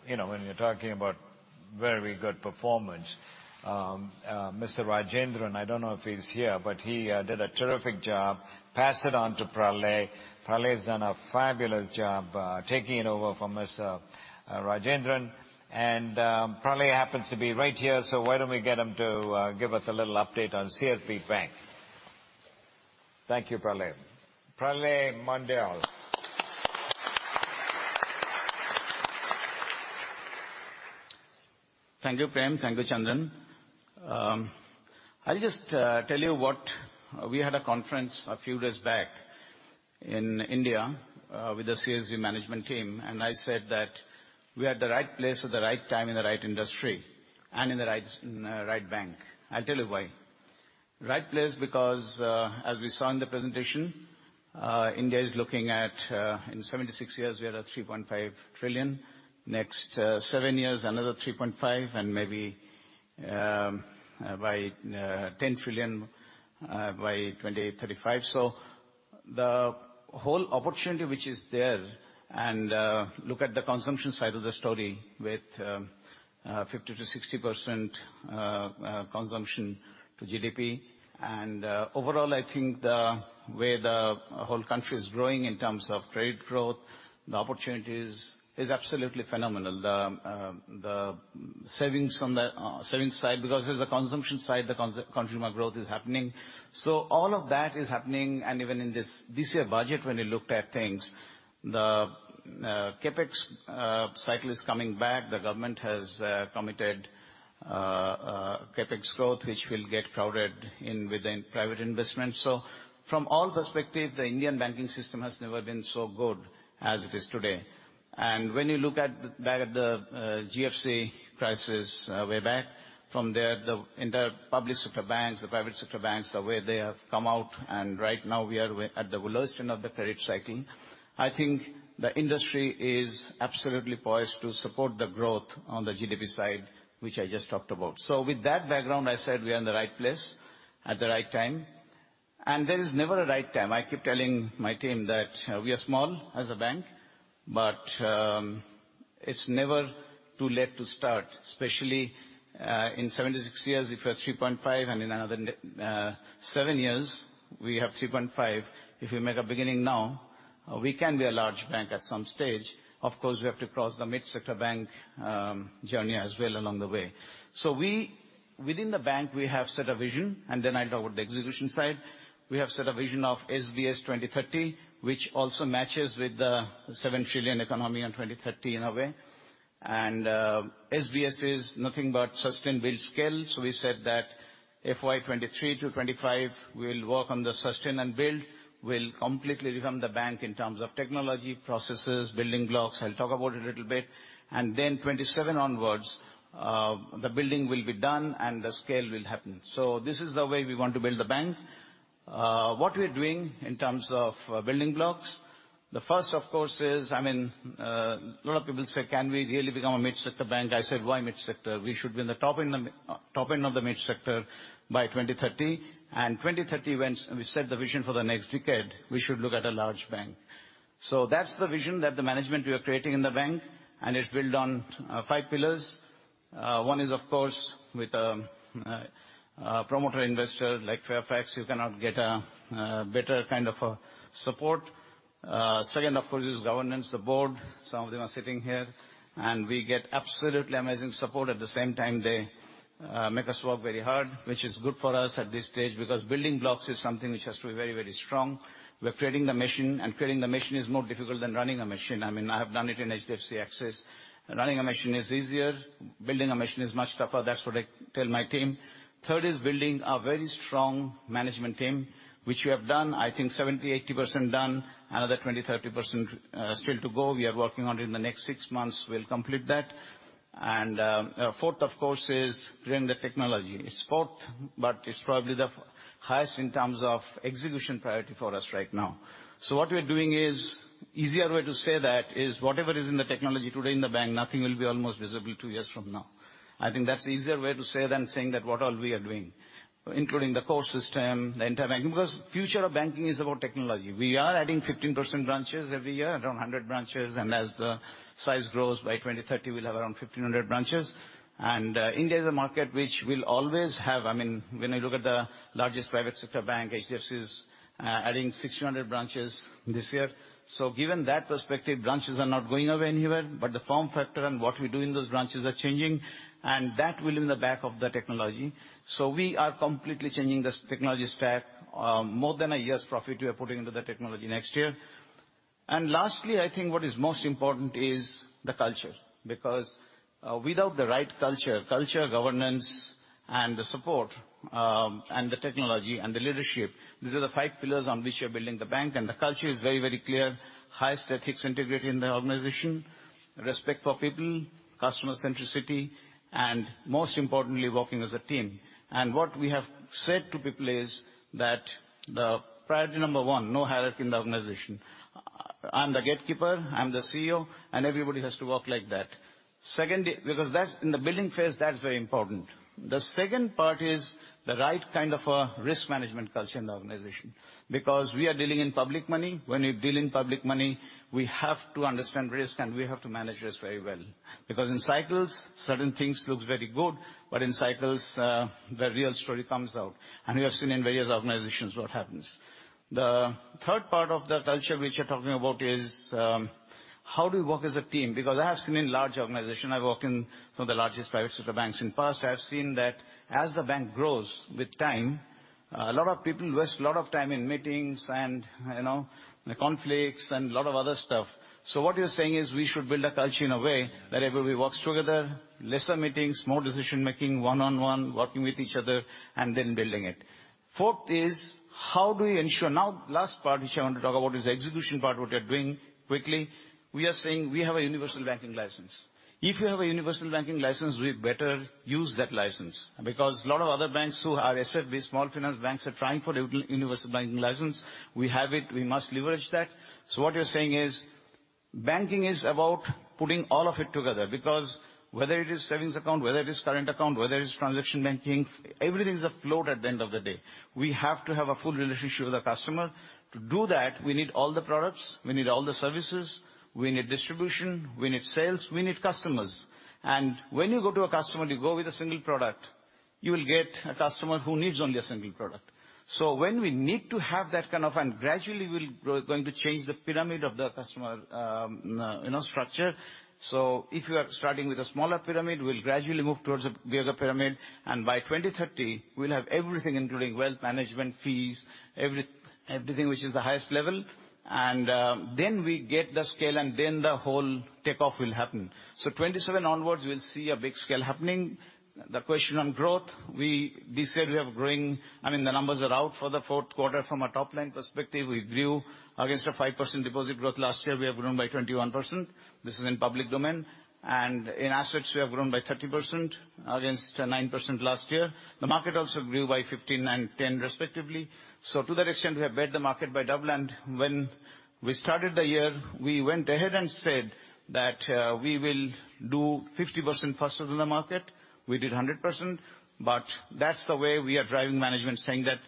you know, when you're talking about very good performance, Mr. Rajendran, I don't know if he's here, but he did a terrific job. Passed it on to Pralay. Pralay's done a fabulous job, taking it over from Mr. Rajendran. Pralay happens to be right here, so why don't we get him to give us a little update on CSB Bank? Thank you, Pralay. Pralay Mondal. Thank you, Prem. Thank you, Chandran. I'll just tell you what. We had a conference a few days back in India, with the CSB management team, and I said that we are at the right place at the right time in the right industry and in the right bank. I'll tell you why. Right place, because as we saw in the presentation, India is looking at in 76 years, we are at $3.5 trillion. Next, seven years, another $3.5 trillion, and maybe by $10 trillion by 2035. The whole opportunity which is there and look at the consumption side of the story with 50% to 60% consumption to GDP. Overall, I think the way the whole country is growing in terms of trade growth, the opportunities is absolutely phenomenal. The savings on the savings side because there's the consumption side, the consumer growth is happening. All of that is happening, and even in this this year budget, when you looked at things, the CapEx cycle is coming back. The government has committed CapEx growth, which will get crowded in within private investment. From all perspective, the Indian banking system has never been so good as it is today. When you look back at the GFC crisis way back from there, in the public sector banks, the private sector banks, the way they have come out, and right now we are way at the lowest end of the credit cycling. I think the industry is absolutely poised to support the growth on the GDP side, which I just talked about. With that background, I said we are in the right place at the right time. There is never a right time. I keep telling my team that we are small as a bank, but it's never too late to start, especially in 76 years, if you're 3.5, and in another seven years, we have 3.5. If we make a beginning now, we can be a large bank at some stage. Of course, we have to cross the mid-sector bank journey as well along the way. We, within the bank, we have set a vision, and then I'll talk about the execution side. We have set a vision of SBS 2030, which also matches with the 7 trillion economy in 2030 in a way. SBS is nothing but sustain, build, scale. We said that FY 23-25, we'll work on the sustain and build. We'll completely revamp the bank in terms of technology, processes, building blocks. I'll talk about it a little bit. Then 27 onwards, the building will be done and the scale will happen. This is the way we want to build the bank. What we're doing in terms of building blocks, the first of course is, I mean, a lot of people say, "Can we really become a mid-sector bank?" I said, "Why mid-sector? We should be in the top end of the mid-sector by 2030. 2030, when we set the vision for the next decade, we should look at a large bank. That's the vision that the management we are creating in the bank, and it's built on five pillars. One is of course with a promoter investor like Fairfax, you cannot get a better kind of a support. Second of course is governance, the board. Some of them are sitting here. We get absolutely amazing support. At the same time, they make us work very hard, which is good for us at this stage because building blocks is something which has to be very, very strong. We're creating the machine, and creating the machine is more difficult than running a machine. I mean, I have done it in HDFC Axis. Running a machine is easier. Building a machine is much tougher. That's what I tell my team. Third is building a very strong management team, which we have done. I think 70%-80% done. Another 20%-30% still to go. We are working on in the next six months, we'll complete that. Fourth of course is creating the technology. It's fourth, but it's probably the highest in terms of execution priority for us right now. What we're doing is, easier way to say that is whatever is in the technology today in the bank, nothing will be almost visible two years from now. I think that's the easier way to say than saying that what all we are doing, including the core system, the entire banking, because future of banking is about technology. We are adding 15% branches every year, around 100 branches, as the size grows by 2030 we'll have around 1,500 branches. India is a market which will always have... I mean, when you look at the largest private sector bank, HDFC is adding 600 branches this year. Given that perspective, branches are not going away anywhere, but the form factor and what we do in those branches are changing, and that will in the back of the technology. We are completely changing this technology stack. More than a year's profit we are putting into the technology next year. Lastly, I think what is most important is the culture. Without the right culture, governance and the support, and the technology and the leadership, these are the 5 pillars on which we are building the bank. The culture is very, very clear. Highest ethics integrity in the organization, respect for people, customer centricity, and most importantly, working as a team. What we have said to people is that the priority number 1, no hierarchy in the organization. I'm the gatekeeper, I'm the CEO, and everybody has to work like that. Because that's, in the building phase, that's very important. The second part is the right kind of a risk management culture in the organization, because we are dealing in public money. When you deal in public money, we have to understand risk and we have to manage risk very well. In cycles, certain things look very good, but in cycles, the real story comes out, and we have seen in various organizations what happens. The third part of the culture which we're talking about is, how do we work as a team? I have seen in large organization, I've worked in some of the largest private sector banks in the past, I have seen that as the bank grows with time, a lot of people waste a lot of time in meetings and, you know, in conflicts and a lot of other stuff. What you're saying is we should build a culture in a way that everybody works together, lesser meetings, more decision-making, one-on-one, working with each other, and then building it. Now, last part which I want to talk about is the execution part, what we are doing quickly. We are saying we have a universal banking license. If you have a universal banking license, we'd better use that license, because a lot of other banks who are small finance banks are trying for universal banking license. We have it. We must leverage that. What you're saying is, banking is about putting all of it together, because whether it is savings account, whether it is current account, whether it's transaction banking, everything is afloat at the end of the day. We have to have a full relationship with the customer. To do that, we need all the products, we need all the services, we need distribution, we need sales, we need customers. When you go to a customer, you go with a single product, you will get a customer who needs only a single product. When we need to have that kind of... Gradually we'll grow going to change the pyramid of the customer, you know, structure. If you are starting with a smaller pyramid, we'll gradually move towards a bigger pyramid. By 2030, we'll have everything including wealth management fees, everything which is the highest level, then we get the scale, then the whole takeoff will happen. '27 onwards, we'll see a big scale happening. The question on growth, we said we are growing. I mean, the numbers are out for the 4th quarter. From a top-line perspective, we grew against a 5% deposit growth last year. We have grown by 21%. This is in public domain. In assets, we have grown by 30% against 9% last year. The market also grew by 15% and 10% respectively. To that extent, we have beat the market by double. When we started the year, we went ahead and said that we will do 50% faster than the market. We did 100%. That's the way we are driving management, saying that,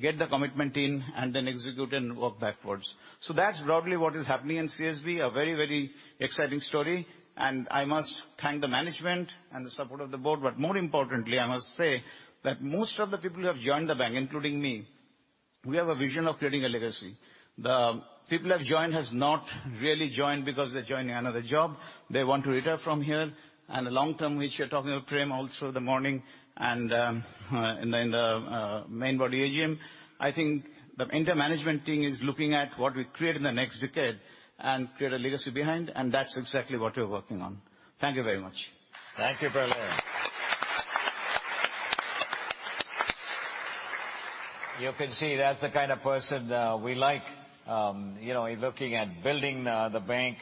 "Get the commitment in, and then execute and work backwards." That's broadly what is happening in CSB, a very, very exciting story. I must thank the management and the support of the board. More importantly, I must say that most of the people who have joined the bank, including me, we have a vision of creating a legacy. The people who have joined has not really joined because they're joining another job. They want to retire from here. The long term, which you're talking about, Prem, also the morning and in the main body AGM, I think the entire management team is looking at what we create in the next decade and create a legacy behind, and that's exactly what we're working on. Thank you very much. Thank you, Pralay. You can see that's the kind of person, we like. You know, he's looking at building the bank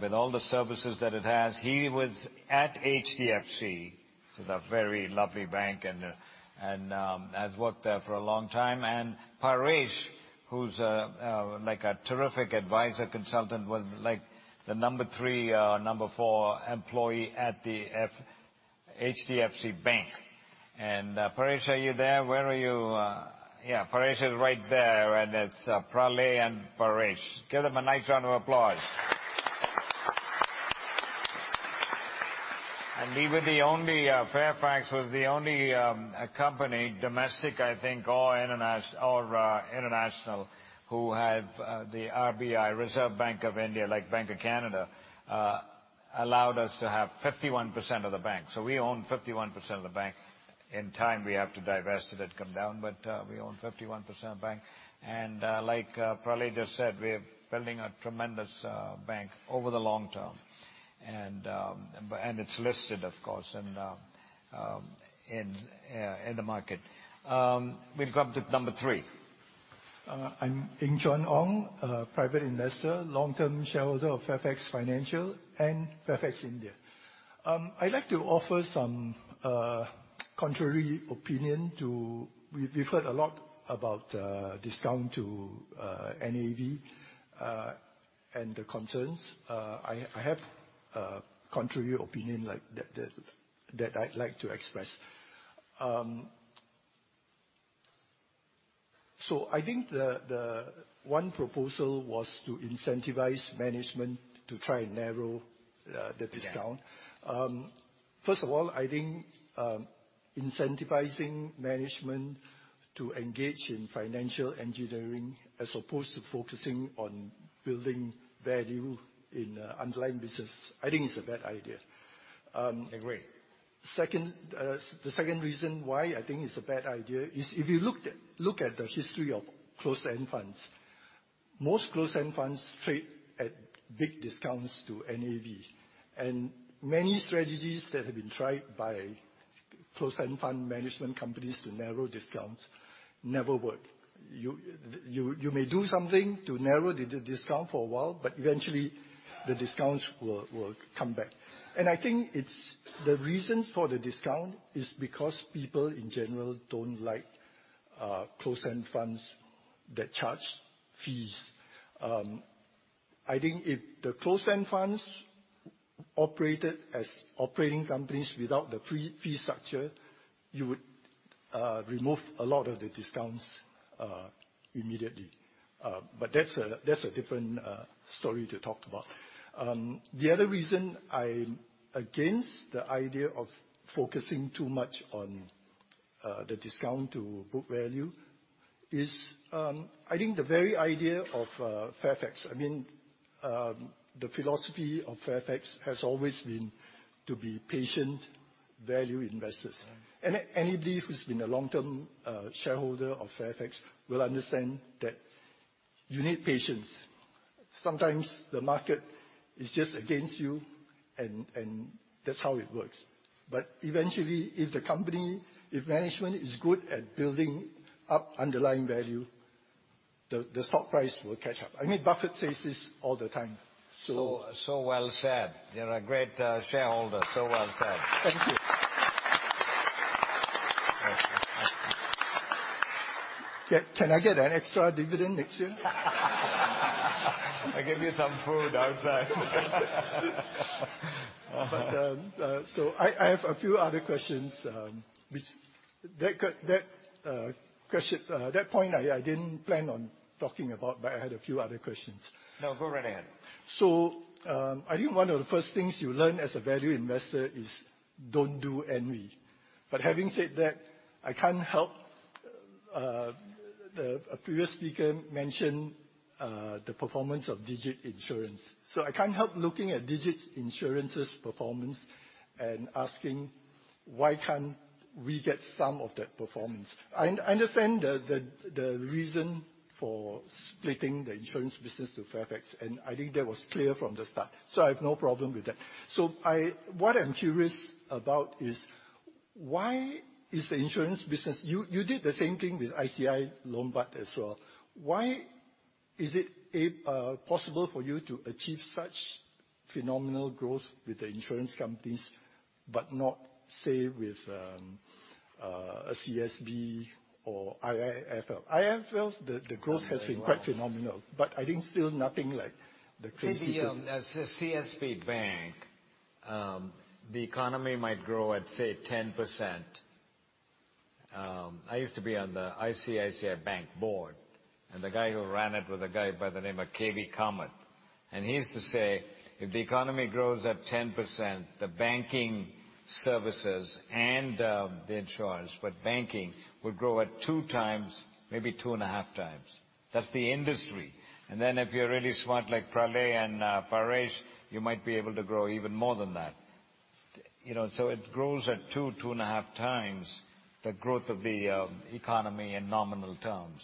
with all the services that it has. He was at HDFC. This is a very lovely bank and, has worked there for a long time. Paresh, who's like a terrific advisor, consultant, was like the number 3, number 4 employee at the HDFC Bank. Paresh, are you there? Where are you? Yeah, Paresh is right there, and it's Pralay and Paresh. Give them a nice round of applause. We were the only... Fairfax was the only company, domestic, I think, or or international, who have the RBI, Reserve Bank of India, like Bank of Canada, allowed us to have 51% of the bank. We own 51% of the bank. In time, we have to divest it and come down. We own 51% of the bank. Like Pralay just said, we're building a tremendous bank over the long term. And it's listed, of course, and in the market. We've come to number three. I'm Eng Chion Ong, a private investor, long-term shareholder of Fairfax Financial and Fairfax India. I'd like to offer some contrary opinion to... We've heard a lot about discount to NAV and the concerns. I have contrary opinion like that I'd like to express. I think the one proposal was to incentivize management to try and narrow the discount. Yeah. First of all, I think incentivizing management to engage in financial engineering as opposed to focusing on building value in the underlying business, I think it's a bad idea. Agree. Second, the second reason why I think it's a bad idea is if you looked at the history of closed-end funds, most closed-end funds trade at big discounts to NAV, and many strategies that have been tried by closed-end fund management companies to narrow discounts never work. You may do something to narrow the discount for a while, but eventually the discounts will come back. I think it's the reasons for the discount is because people in general don't like closed-end funds that charge fees. I think if the closed-end funds operated as operating companies without the fee structure, you would remove a lot of the discounts immediately. That's a different story to talk about. The other reason I'm against the idea of focusing too much on The discount to book value is, I think the very idea of, Fairfax, I mean, the philosophy of Fairfax has always been to be patient value investors. Right. Anybody who's been a long-term shareholder of Fairfax will understand that you need patience. Sometimes the market is just against you, and that's how it works. Eventually, if the company, if management is good at building up underlying value, the stock price will catch up. I mean Buffett says this all the time, so- Well said. You're a great shareholder. Well said. Thank you. Can I get an extra dividend next year? I'll get you some food outside. I have a few other questions, which that question, that point I didn't plan on talking about, but I had a few other questions. No, go right ahead. I think one of the first things you learn as a value investor is don't do envy. Having said that, I can't help the. A previous speaker mentioned the performance of Digit Insurance. I can't help looking at Digit Insurance's performance and asking why can't we get some of that performance. I understand the reason for splitting the insurance business to Fairfax, and I think that was clear from the start, so I have no problem with that. What I'm curious about is why is the insurance business. You did the same thing with ICICI Lombard as well. Why is it possible for you to achieve such phenomenal growth with the insurance companies, but not, say, with a CSB or IIFL? IIFL, the growth. Not very well.... has been quite phenomenal. I think still nothing like the crazy- As a CSB Bank, the economy might grow at, say, 10%. I used to be on the ICICI Bank board, and the guy who ran it was a guy by the name of KV Kamath. He used to say, "If the economy grows at 10%, the banking services and the insurance, but banking would grow at 2 times, maybe 2.5 times." That's the industry. If you're really smart like Pralay and Paresh, you might be able to grow even more than that. You know, it grows at 2.5 times the growth of the economy in nominal terms.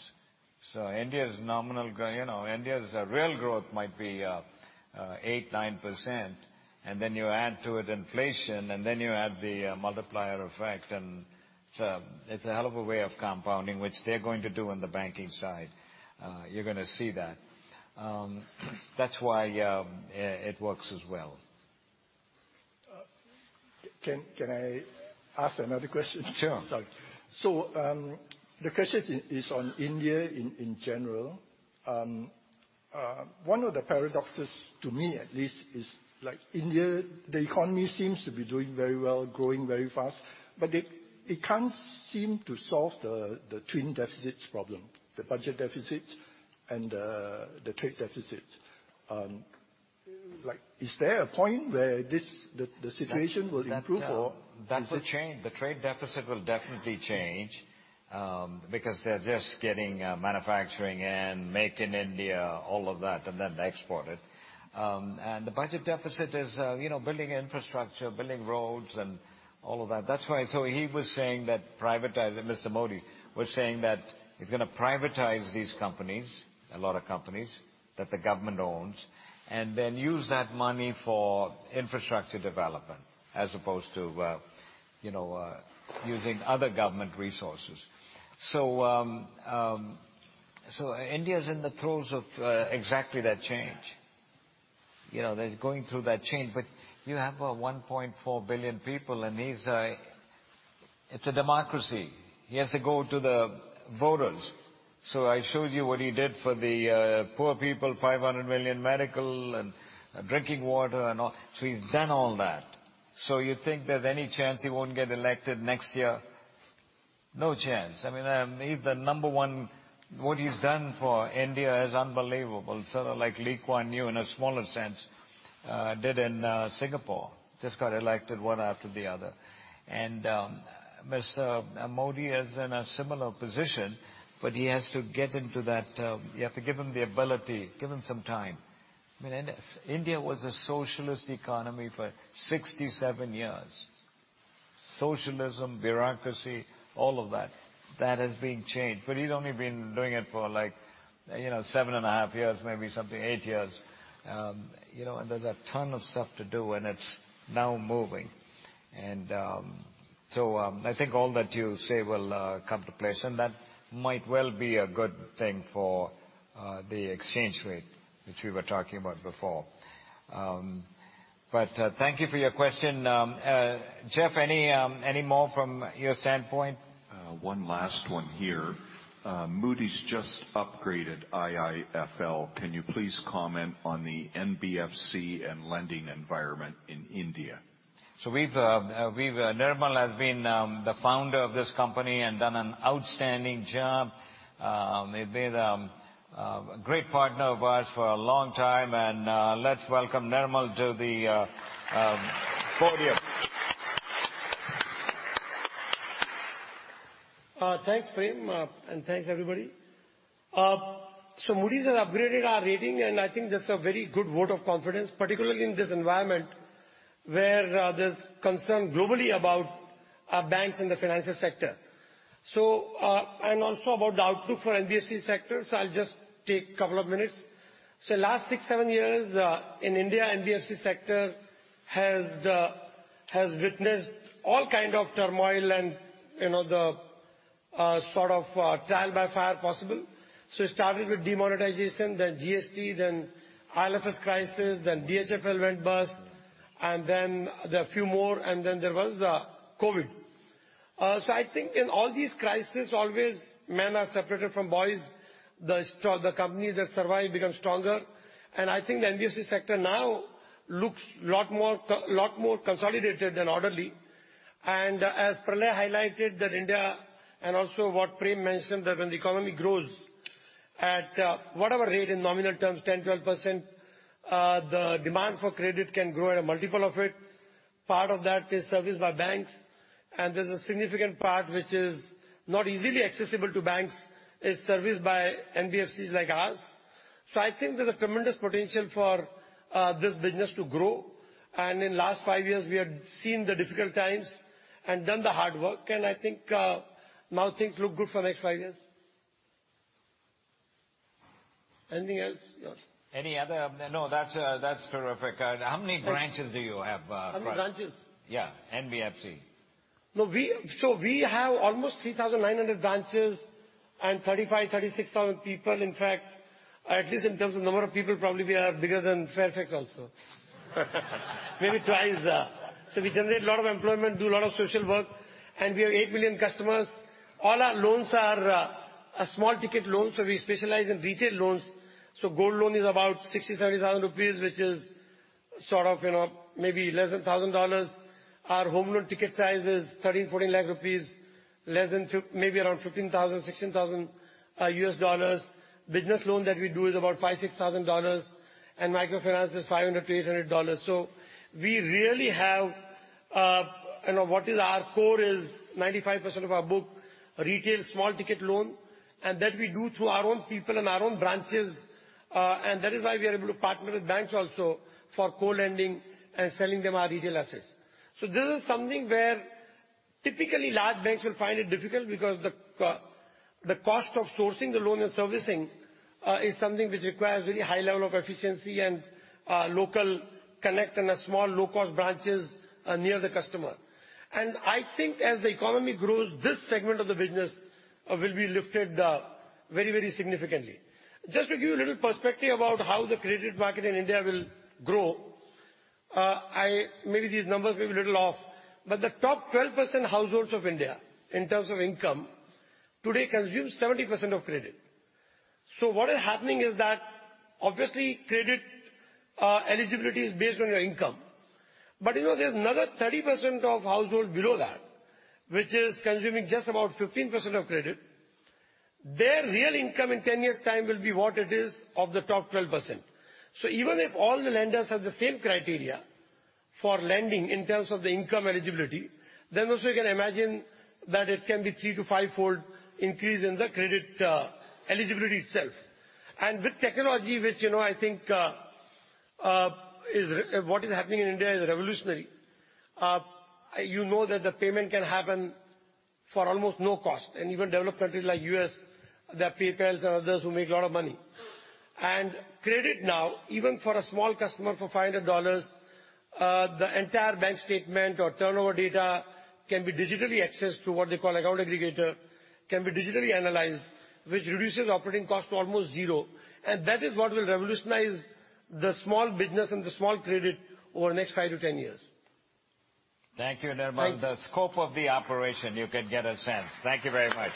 India's nominal. You know, India's real growth might be 8%, 9%, and then you add to it inflation, and then you add the multiplier effect, and it's a hell of a way of compounding, which they're going to do on the banking side. You're gonna see that. That's why it works as well. Can I ask another question? Sure. Sorry. The question is on India in general. One of the paradoxes, to me at least, is like India, the economy seems to be doing very well, growing very fast, but it can't seem to solve the twin deficits problem, the budget deficits and, the trade deficits. Like is there a point where this, the situation will improve or... That will change. The trade deficit will definitely change because they're just getting manufacturing and Make in India, all of that, and then export it. The budget deficit is, you know, building infrastructure, building roads and all of that. That's why. He was saying that privatizing, Mr. Modi was saying that he's gonna privatize these companies, a lot of companies that the government owns, and then use that money for infrastructure development as opposed to, you know, using other government resources. India's in the throes of exactly that change. You know, they're going through that change. You have 1.4 billion people, and he's... It's a democracy. He has to go to the voters. I showed you what he did for the poor people, $500 million medical and drinking water and all. He's done all that. You think there's any chance he won't get elected next year? No chance. I mean, he's the number one. What he's done for India is unbelievable. Sort of like Lee Kuan Yew, in a smaller sense, did in Singapore. Just got elected one after the other. Mr. Modi is in a similar position, but he has to get into that... You have to give him the ability, give him some time. I mean, India was a socialist economy for 67 years. Socialism, bureaucracy, all of that. That is being changed. He's only been doing it for like, you know, seven and a half years, maybe something, eight years. you know, there's a ton of stuff to do, and it's now moving. I think all that you say will come to place, and that might well be a good thing for the exchange rate, which we were talking about before. Thank you for your question. Jeff, any more from your standpoint? One last one here. Moody's just upgraded IIFL. Can you please comment on the NBFC and lending environment in India? We've Nirmal has been the founder of this company and done an outstanding job. They've been a great partner of ours for a long time, and let's welcome Nirmal to the podium. Thanks, Prem, and thanks, everybody. Moody's have upgraded our rating, and I think that's a very good vote of confidence, particularly in this environment where there's concern globally about our banks and the financial sector. Also about the outlook for NBFC sector, I'll just take couple of minutes. Last six, seven years, in India, NBFC sector has witnessed all kind of turmoil and, you know, the sort of trial by fire possible. It started with demonetization, then GST, then IL&FS crisis, then DHFL went bust, and then there are a few more, and then there was COVID. I think in all these crises, always men are separated from boys. The companies that survive become stronger. I think the NBFC sector now looks a lot more consolidated and orderly. As Pralay highlighted that India and also what Prem mentioned, that when the economy grows at whatever rate in nominal terms, 10%, 12%, the demand for credit can grow at a multiple of it. Part of that is serviced by banks, and there's a significant part which is not easily accessible to banks is serviced by NBFCs like ours. I think there's a tremendous potential for this business to grow. In last 5 years we have seen the difficult times and done the hard work, and I think, now things look good for the next five years. Anything else? Yes. No, that's terrific. How many branches do you have? How many branches? Yeah. NBFC. We have almost 3,900 branches and 35,000-36,000 people. In fact, at least in terms of number of people, probably we are bigger than Fairfax also. Maybe twice. We generate a lot of employment, do a lot of social work, and we have 8 million customers. All our loans are small ticket loans, so we specialize in retail loans. Gold loan is about 60,000-70,000 rupees, which is sort of, you know, maybe less than $1,000. Our home loan ticket size is 13 lakh-14 lakh rupees, less than maybe around $15,000-$16,000 US dollars. Business loan that we do is about $5,000-$6,000, and microfinance is $500-$800. We really have, you know, what is our core is 95% of our book, retail, small ticket loan, and that we do through our own people and our own branches. That is why we are able to partner with banks also for co-lending and selling them our retail assets. This is something where typically large banks will find it difficult because the cost of sourcing the loan and servicing is something which requires really high level of efficiency and local connect and a small low-cost branches near the customer. I think as the economy grows, this segment of the business will be lifted very, very significantly. Just to give you a little perspective about how the credit market in India will grow, I... Maybe these numbers may be a little off, but the top 12% households of India in terms of income today consume 70% of credit. What is happening is that obviously credit eligibility is based on your income. You know, there's another 30% of household below that which is consuming just about 15% of credit. Their real income in 10 years' time will be what it is of the top 12%. Even if all the lenders have the same criteria for lending in terms of the income eligibility, then also you can imagine that it can be 3 to 5-fold increase in the credit eligibility itself. With technology which, you know, I think, what is happening in India is revolutionary. You know that the payment can happen for almost no cost. Even developed countries like U.S., there are PayPal and others who make a lot of money. Credit now, even for a small customer for $500, the entire bank statement or turnover data can be digitally accessed through what they call Account Aggregator, can be digitally analyzed, which reduces operating costs to almost zero. That is what will revolutionize the small business and the small credit over the next 5-10 years. Thank you, Nirmal. Thank you. The scope of the operation, you can get a sense. Thank you very much.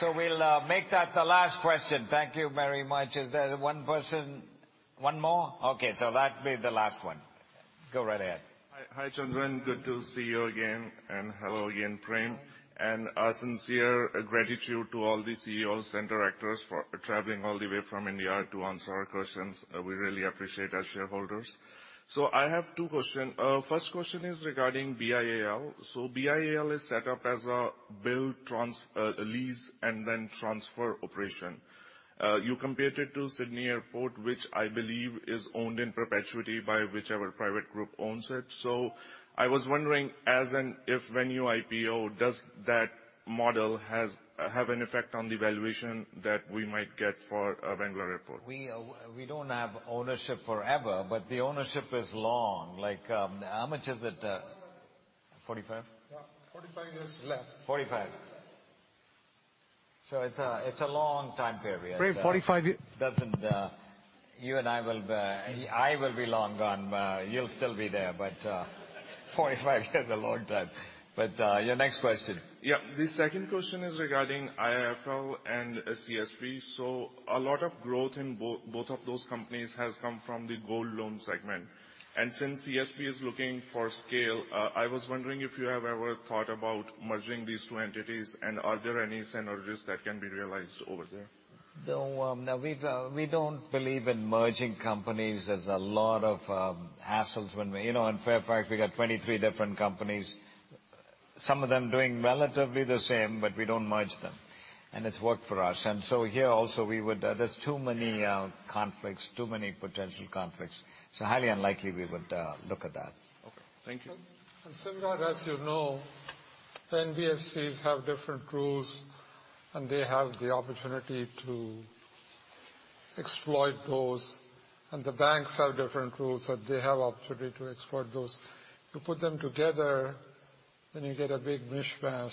We'll make that the last question. Thank you very much. Is there one person? One more? Okay, that'll be the last one. Go right ahead. Hi. Hi, Chandran. Good to see you again, and hello again, Prem. Our sincere gratitude to all the CEOs and directors for traveling all the way from India to answer our questions. We really appreciate as shareholders. I have two question. First question is regarding BIAL. BIAL is set up as a build trans, lease, and then transfer operation. You compared it to Sydney Airport, which I believe is owned in perpetuity by whichever private group owns it. I was wondering as an, if when you IPO, does that model have an effect on the valuation that we might get for, Bangalore Airport? We, we don't have ownership forever, but the ownership is long. Like, how much is it, 45? Yeah, 45 years left. 45. It's a long time period. Prem, 45 Doesn't, you and I will be, I will be long gone, but you'll still be there. 45 is a long time. Your next question. Yeah. The second question is regarding IIFL and CSB. A lot of growth in both of those companies has come from the gold loan segment. Since CSB is looking for scale, I was wondering if you have ever thought about merging these two entities and are there any synergies that can be realized over there? No, no. We don't believe in merging companies. There's a lot of hassles when we. You know, in Fairfax, we got 23 different companies, some of them doing relatively the same, but we don't merge them and it's worked for us. Here also we would. There's too many conflicts, too many potential conflicts. It's highly unlikely we would look at that. Okay. Thank you. Siddharth Sharma, as you know, NBFCs have different rules and they have the opportunity to exploit those, and the banks have different rules that they have opportunity to exploit those. You put them together, then you get a big mishmash.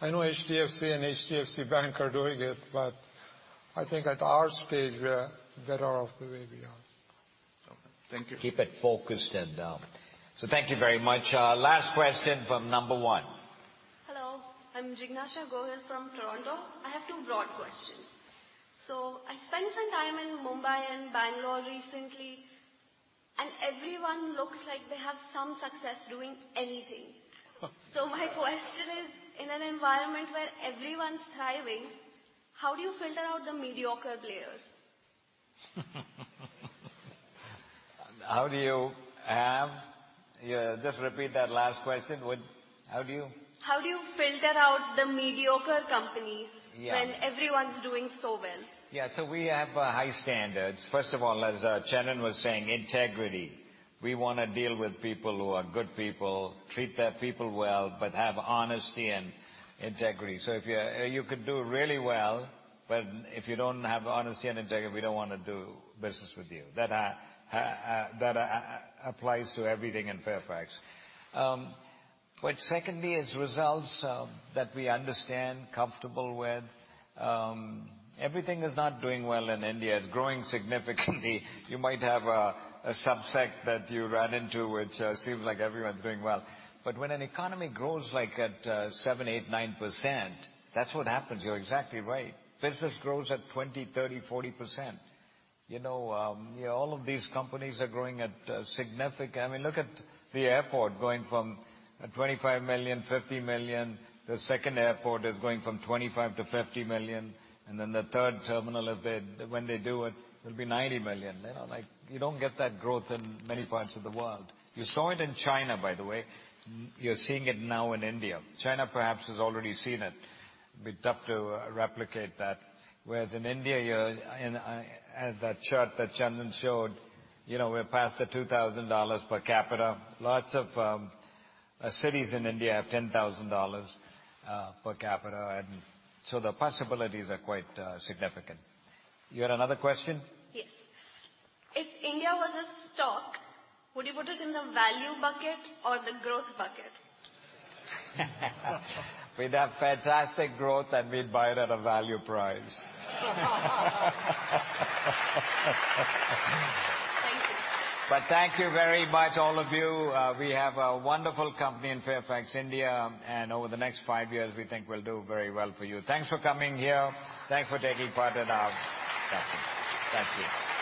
I know HDFC and HDFC Bank are doing it, but I think at our stage, we're better off the way we are. Okay. Thank you. Keep it focused and, Thank you very much. Last question from number one. Hello. I'm Jignasa Gohil from Toronto. I have two broad questions. I spent some time in Mumbai and Bangalore recently, and everyone looks like they have some success doing anything. My question is, in an environment where everyone's thriving, how do you filter out the mediocre players? Yeah, just repeat that last question. How do you? How do you filter out the mediocre companies? Yeah. when everyone's doing so well? Yeah. We have high standards. First of all, as Chandan was saying, integrity. We wanna deal with people who are good people, treat their people well, but have honesty and integrity. If you could do really well, but if you don't have honesty and integrity, we don't wanna do business with you. That applies to everything in Fairfax. Secondly is results that we understand, comfortable with. Everything is not doing well in India. It's growing significantly. You might have a subsect that you ran into which seems like everyone's doing well. When an economy grows like at 7, 8, 9%, that's what happens. You're exactly right. Business grows at 20, 30, 40%. You know, you know, all of these companies are growing at significant... I mean, look at the airport going from $25 million, $50 million. The second airport is going from $25 million-$50 million, then the third terminal if when they do it'll be $90 million. You know, like, you don't get that growth in many parts of the world. You saw it in China, by the way. You're seeing it now in India. China perhaps has already seen it. It'd be tough to replicate that, whereas in India. As that chart that Chandan showed, you know, we're past the $2,000 per capita. Lots of cities in India have $10,000 per capita so the possibilities are quite significant. You had another question? Yes. If India was a stock, would you put it in the value bucket or the growth bucket? We'd have fantastic growth and we'd buy it at a value price. Thank you. Thank you very much all of you. We have a wonderful company in Fairfax India, and over the next five years, we think we'll do very well for you. Thanks for coming here. Thanks for taking part in our conference. Thank you.